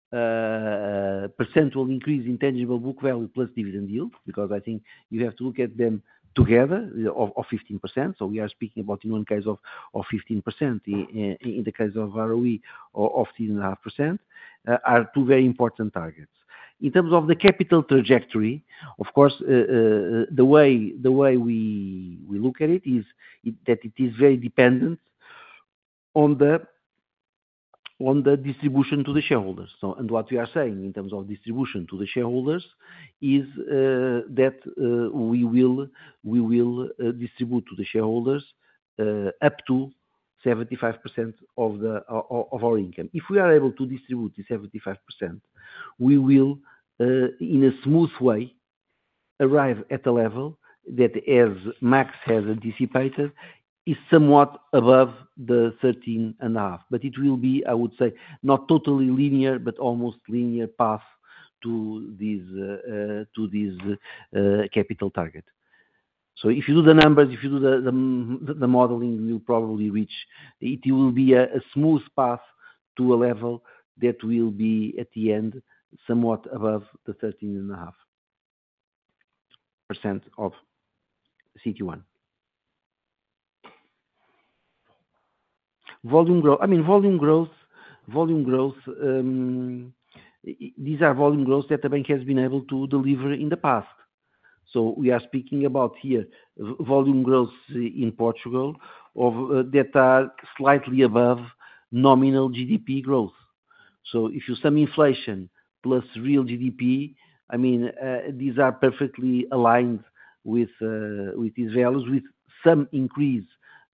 percentage increase in tangible book value plus dividend yield, because I think you have to look at them together of 15%. So we are speaking about, in one case, of 15%. In the case of ROE of 3.5%, there are two very important targets. In terms of the capital trajectory, of course, the way we look at it is that it is very dependent on the distribution to the shareholders. And what we are saying in terms of distribution to the shareholders is that we will distribute to the shareholders up to 75% of our income. If we are able to distribute this 75%, we will, in a smooth way, arrive at a level that, as Maks has anticipated, is somewhat above the 13.5. But it will be, I would say, not totally linear, but almost linear path to this capital target. So if you do the numbers, if you do the modeling, you'll probably reach, it will be a smooth path to a level that will be, at the end, somewhat above the 13.5% CET1. I mean, volume growth, these are volume growth that the bank has been able to deliver in the past. So we are speaking about here volume growth in Portugal that are slightly above nominal GDP growth. So if you sum inflation plus real GDP, I mean, these are perfectly aligned with these values, with some increase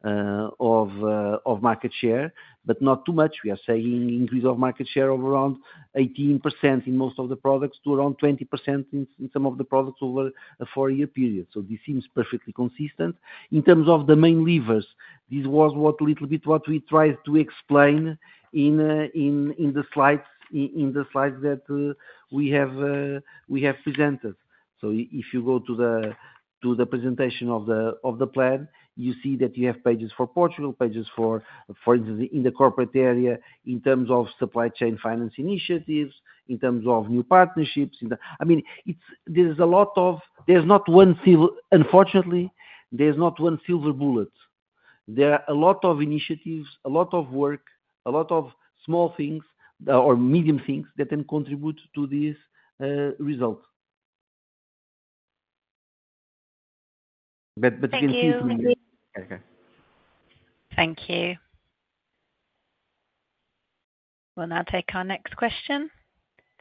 of market share, but not too much. We are saying increase of market share of around 18% in most of the products to around 20% in some of the products over a four-year period. So this seems perfectly consistent. In terms of the main levers, this was a little bit what we tried to explain in the slides that we have presented. So if you go to the presentation of the plan, you see that you have pages for Portugal, pages for, for instance, in the corporate area in terms of supply chain finance initiatives, in terms of new partnerships. I mean, there is a lot of. There's not one, unfortunately, there's not one silver bullet. There are a lot of initiatives, a lot of work, a lot of small things or medium things that can contribute to this result. But again, seeing. Thank you. Okay. Thank you. We'll now take our next question.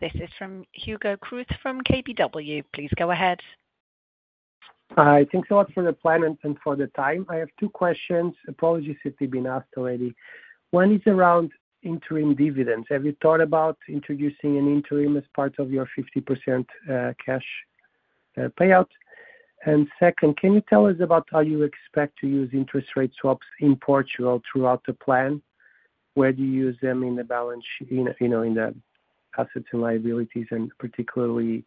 This is from Hugo Cruz from KBW. Please go ahead. Hi. Thanks a lot for the plan and for the time. I have two questions. Apologies if they've been asked already. One is around interim dividends. Have you thought about introducing an interim as part of your 50% cash payout? And second, can you tell us about how you expect to use interest rate swaps in Portugal throughout the plan? Where do you use them in the balance sheet, in the assets and liabilities, and particularly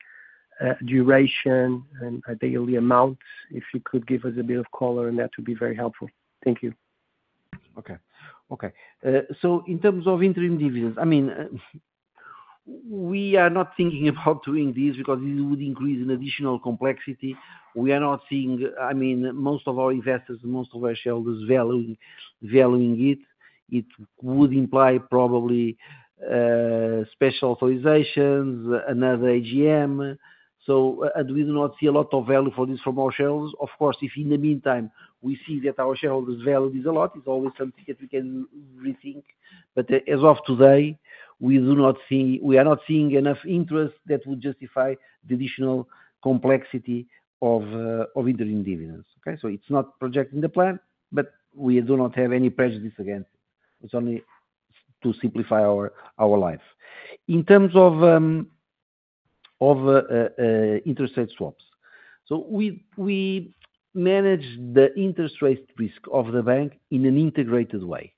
duration and notional amounts? If you could give us a bit of color, and that would be very helpful. Thank you. Okay. In terms of interim dividends, I mean, we are not thinking about doing this because it would introduce additional complexity. We are not seeing, I mean, most of our investors and most of our shareholders valuing it. It would imply probably special authorizations, another AGM. So we do not see a lot of value for this from our shareholders. Of course, if in the meantime we see that our shareholders value this a lot, it's always something that we can rethink. But as of today, we are not seeing enough interest that would justify the additional complexity of interim dividends. Okay? So it's not projecting the plan, but we do not have any prejudice against it. It's only to simplify our life. In terms of interest rate swaps, so we manage the interest rate risk of the bank in an integrated way.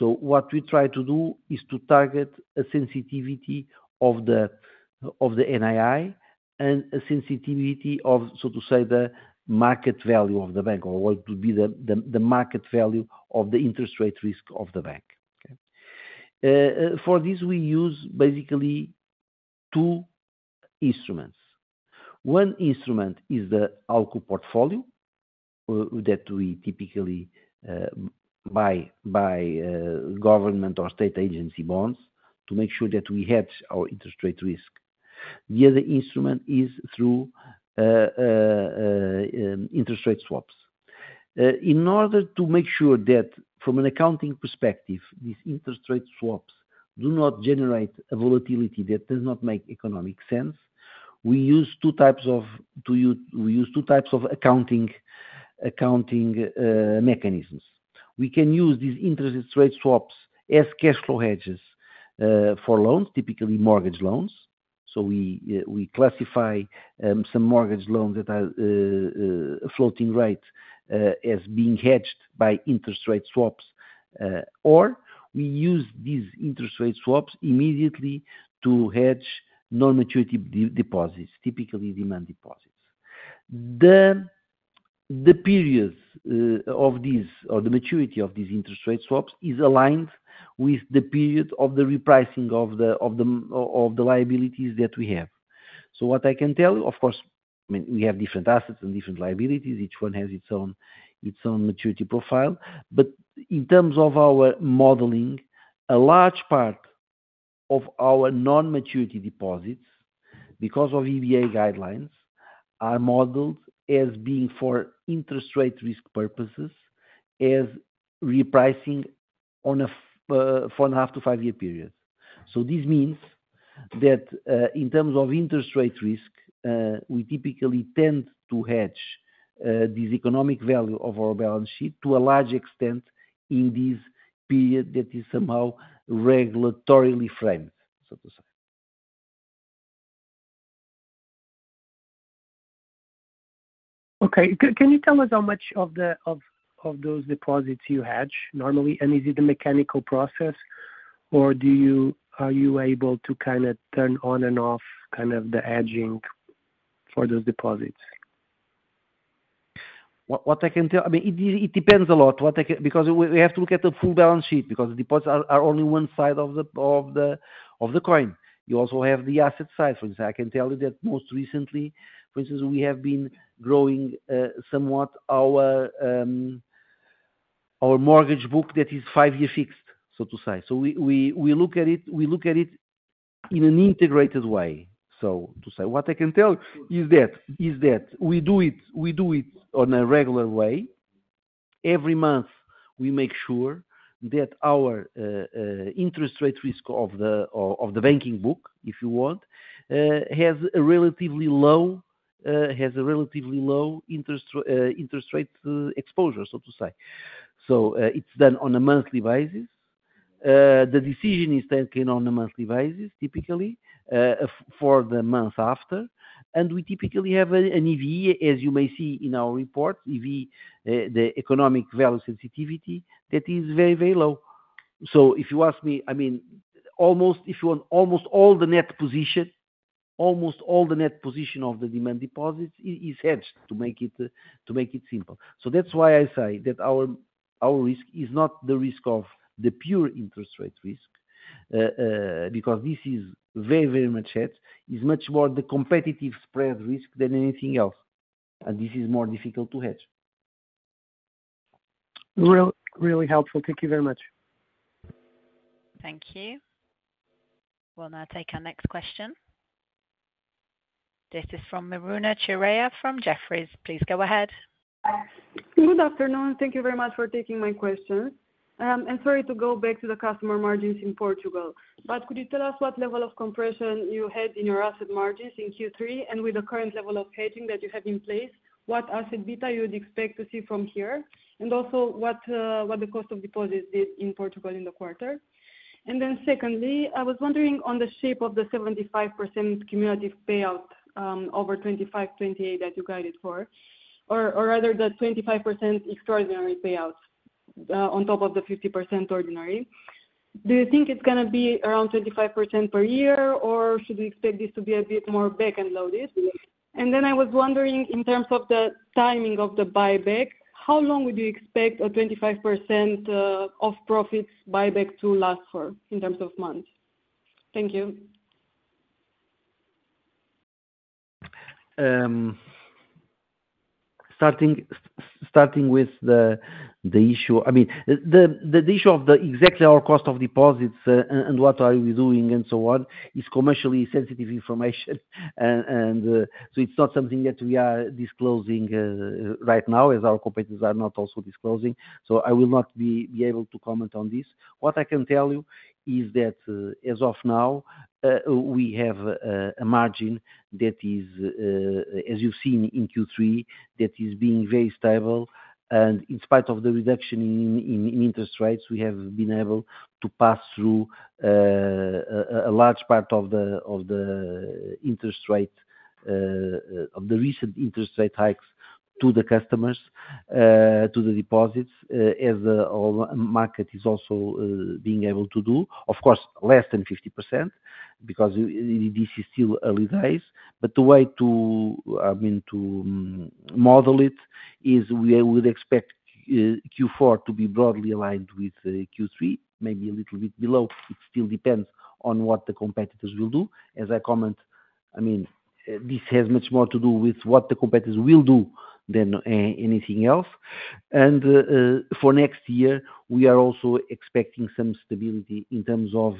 So what we try to do is to target a sensitivity of the NII and a sensitivity of, so to say, the market value of the bank, or what would be the market value of the interest rate risk of the bank. Okay? For this, we use basically two instruments. One instrument is the ALCO portfolio that we typically buy by government or state agency bonds to make sure that we hedge our interest rate risk. The other instrument is through interest rate swaps. In order to make sure that, from an accounting perspective, these interest rate swaps do not generate a volatility that does not make economic sense, we use two types of accounting mechanisms. We can use these interest rate swaps as cash flow hedges for loans, typically mortgage loans. We classify some mortgage loans that are floating rate as being hedged by interest rate swaps, or we use these interest rate swaps immediately to hedge non-maturity deposits, typically demand deposits. The period of these or the maturity of these interest rate swaps is aligned with the period of the repricing of the liabilities that we have. So what I can tell you, of course, I mean, we have different assets and different liabilities. Each one has its own maturity profile. But in terms of our modeling, a large part of our non-maturity deposits, because of EBA guidelines, are modeled as being for interest rate risk purposes as repricing on a four-and-a-half to five-year period. So this means that, in terms of interest rate risk, we typically tend to hedge this economic value of our balance sheet to a large extent in this period that is somehow regulatorily framed, so to say. Okay. Can you tell us how much of those deposits you hedge normally? Is it a mechanical process, or are you able to kind of turn on and off kind of the hedging for those deposits? What I can tell, I mean, it depends a lot because we have to look at the full balance sheet because the deposits are only one side of the coin. You also have the asset side. For example, I can tell you that most recently, for instance, we have been growing somewhat our mortgage book that is five-year fixed, so to say. So we look at it in an integrated way. So to say what I can tell you is that we do it on a regular way. Every month, we make sure that our interest rate risk of the banking book, if you want, has a relatively low interest rate exposure, so to say. So it's done on a monthly basis. The decision is taken on a monthly basis, typically, for the month after. And we typically have an EV, as you may see in our report, the economic value sensitivity that is very, very low. So if you ask me, I mean, almost all the net position, almost all the net position of the demand deposits is hedged, to make it simple. So that's why I say that our risk is not the risk of the pure interest rate risk because this is very, very much hedged. It's much more the competitive spread risk than anything else. And this is more difficult to hedge. Really helpful. Thank you very much. Thank you. We'll now take our next question. This is from Miruna Chirea from Jefferies. Please go ahead. Good afternoon. Thank you very much for taking my question. And sorry to go back to the customer margins in Portugal. But could you tell us what level of compression you had in your asset margins in Q3? And with the current level of hedging that you have in place, what asset beta you would expect to see from here? And also, what the cost of deposits did in Portugal in the quarter? And then secondly, I was wondering on the shape of the 75% cumulative payout over 25/28 that you guided for, or rather the 25% extraordinary payout on top of the 50% ordinary. Do you think it's going to be around 25% per year, or should we expect this to be a bit more back-end loaded? And then I was wondering, in terms of the timing of the buyback, how long would you expect a 25% of profits buyback to last for in terms of months? Thank you. Starting with the issue, I mean, the issue of exactly our cost of deposits and what are we doing and so on is commercially sensitive information. And so it's not something that we are disclosing right now, as our competitors are not also disclosing. So I will not be able to comment on this. What I can tell you is that, as of now, we have a margin that is, as you've seen in Q3, that is being very stable. And in spite of the reduction in interest rates, we have been able to pass through a large part of the interest rate of the recent interest rate hikes to the customers, to the deposits, as the market is also being able to do. Of course, less than 50% because this is still early days. But the way to, I mean, to model it is we would expect Q4 to be broadly aligned with Q3, maybe a little bit below. It still depends on what the competitors will do. As I comment, I mean, this has much more to do with what the competitors will do than anything else. And for next year, we are also expecting some stability in terms of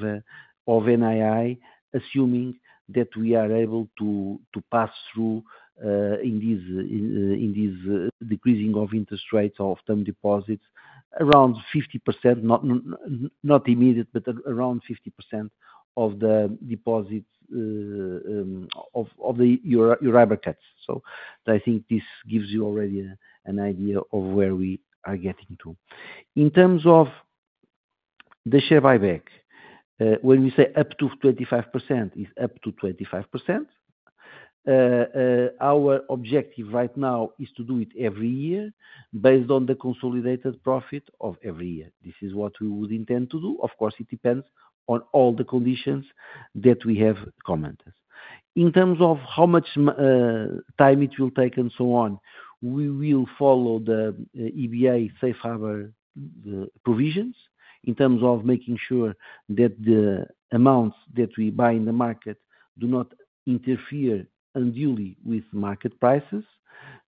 NII, assuming that we are able to pass through in this decreasing of interest rates of term deposits around 50%, not immediate, but around 50% of the deposits of Euribor cuts. So I think this gives you already an idea of where we are getting to. In terms of the share buyback, when we say up to 25%, it's up to 25%. Our objective right now is to do it every year based on the consolidated profit of every year. This is what we would intend to do. Of course, it depends on all the conditions that we have commented. In terms of how much time it will take and so on, we will follow the EBA Safe Harbor provisions in terms of making sure that the amounts that we buy in the market do not interfere unduly with market prices.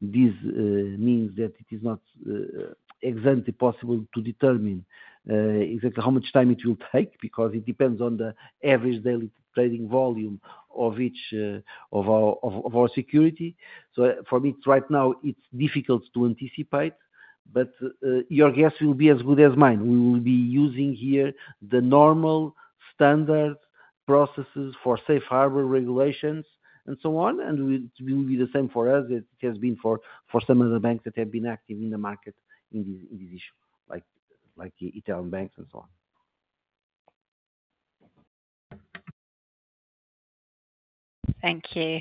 This means that it is not exactly possible to determine exactly how much time it will take because it depends on the average daily trading volume of our security. So for me, right now, it's difficult to anticipate. But your guess will be as good as mine. We will be using here the normal standard processes for Safe Harbor regulations and so on. It will be the same for us as it has been for some of the banks that have been active in the market in this issue, like Italian banks and so on. Thank you.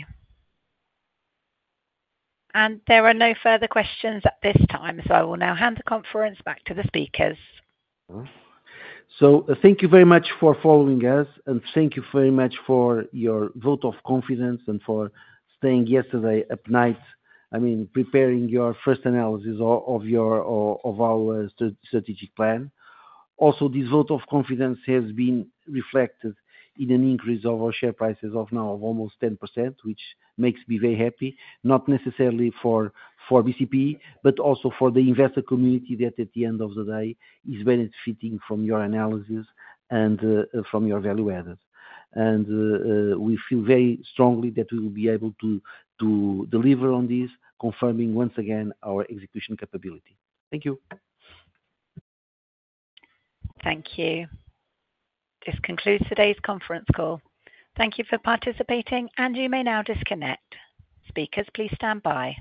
There are no further questions at this time. I will now hand the conference back to the speakers. Thank you very much for following us, and thank you very much for your vote of confidence and for staying yesterday up night, I mean, preparing your first analysis of our strategic plan. Also, this vote of confidence has been reflected in an increase of our share prices of now of almost 10%, which makes me very happy, not necessarily for BCP, but also for the investor community that, at the end of the day, is benefiting from your analysis and from your value added. We feel very strongly that we will be able to deliver on this, confirming once again our execution capability. Thank you. Thank you. This concludes today's conference call. Thank you for participating, and you may now disconnect. Speakers, please stand by.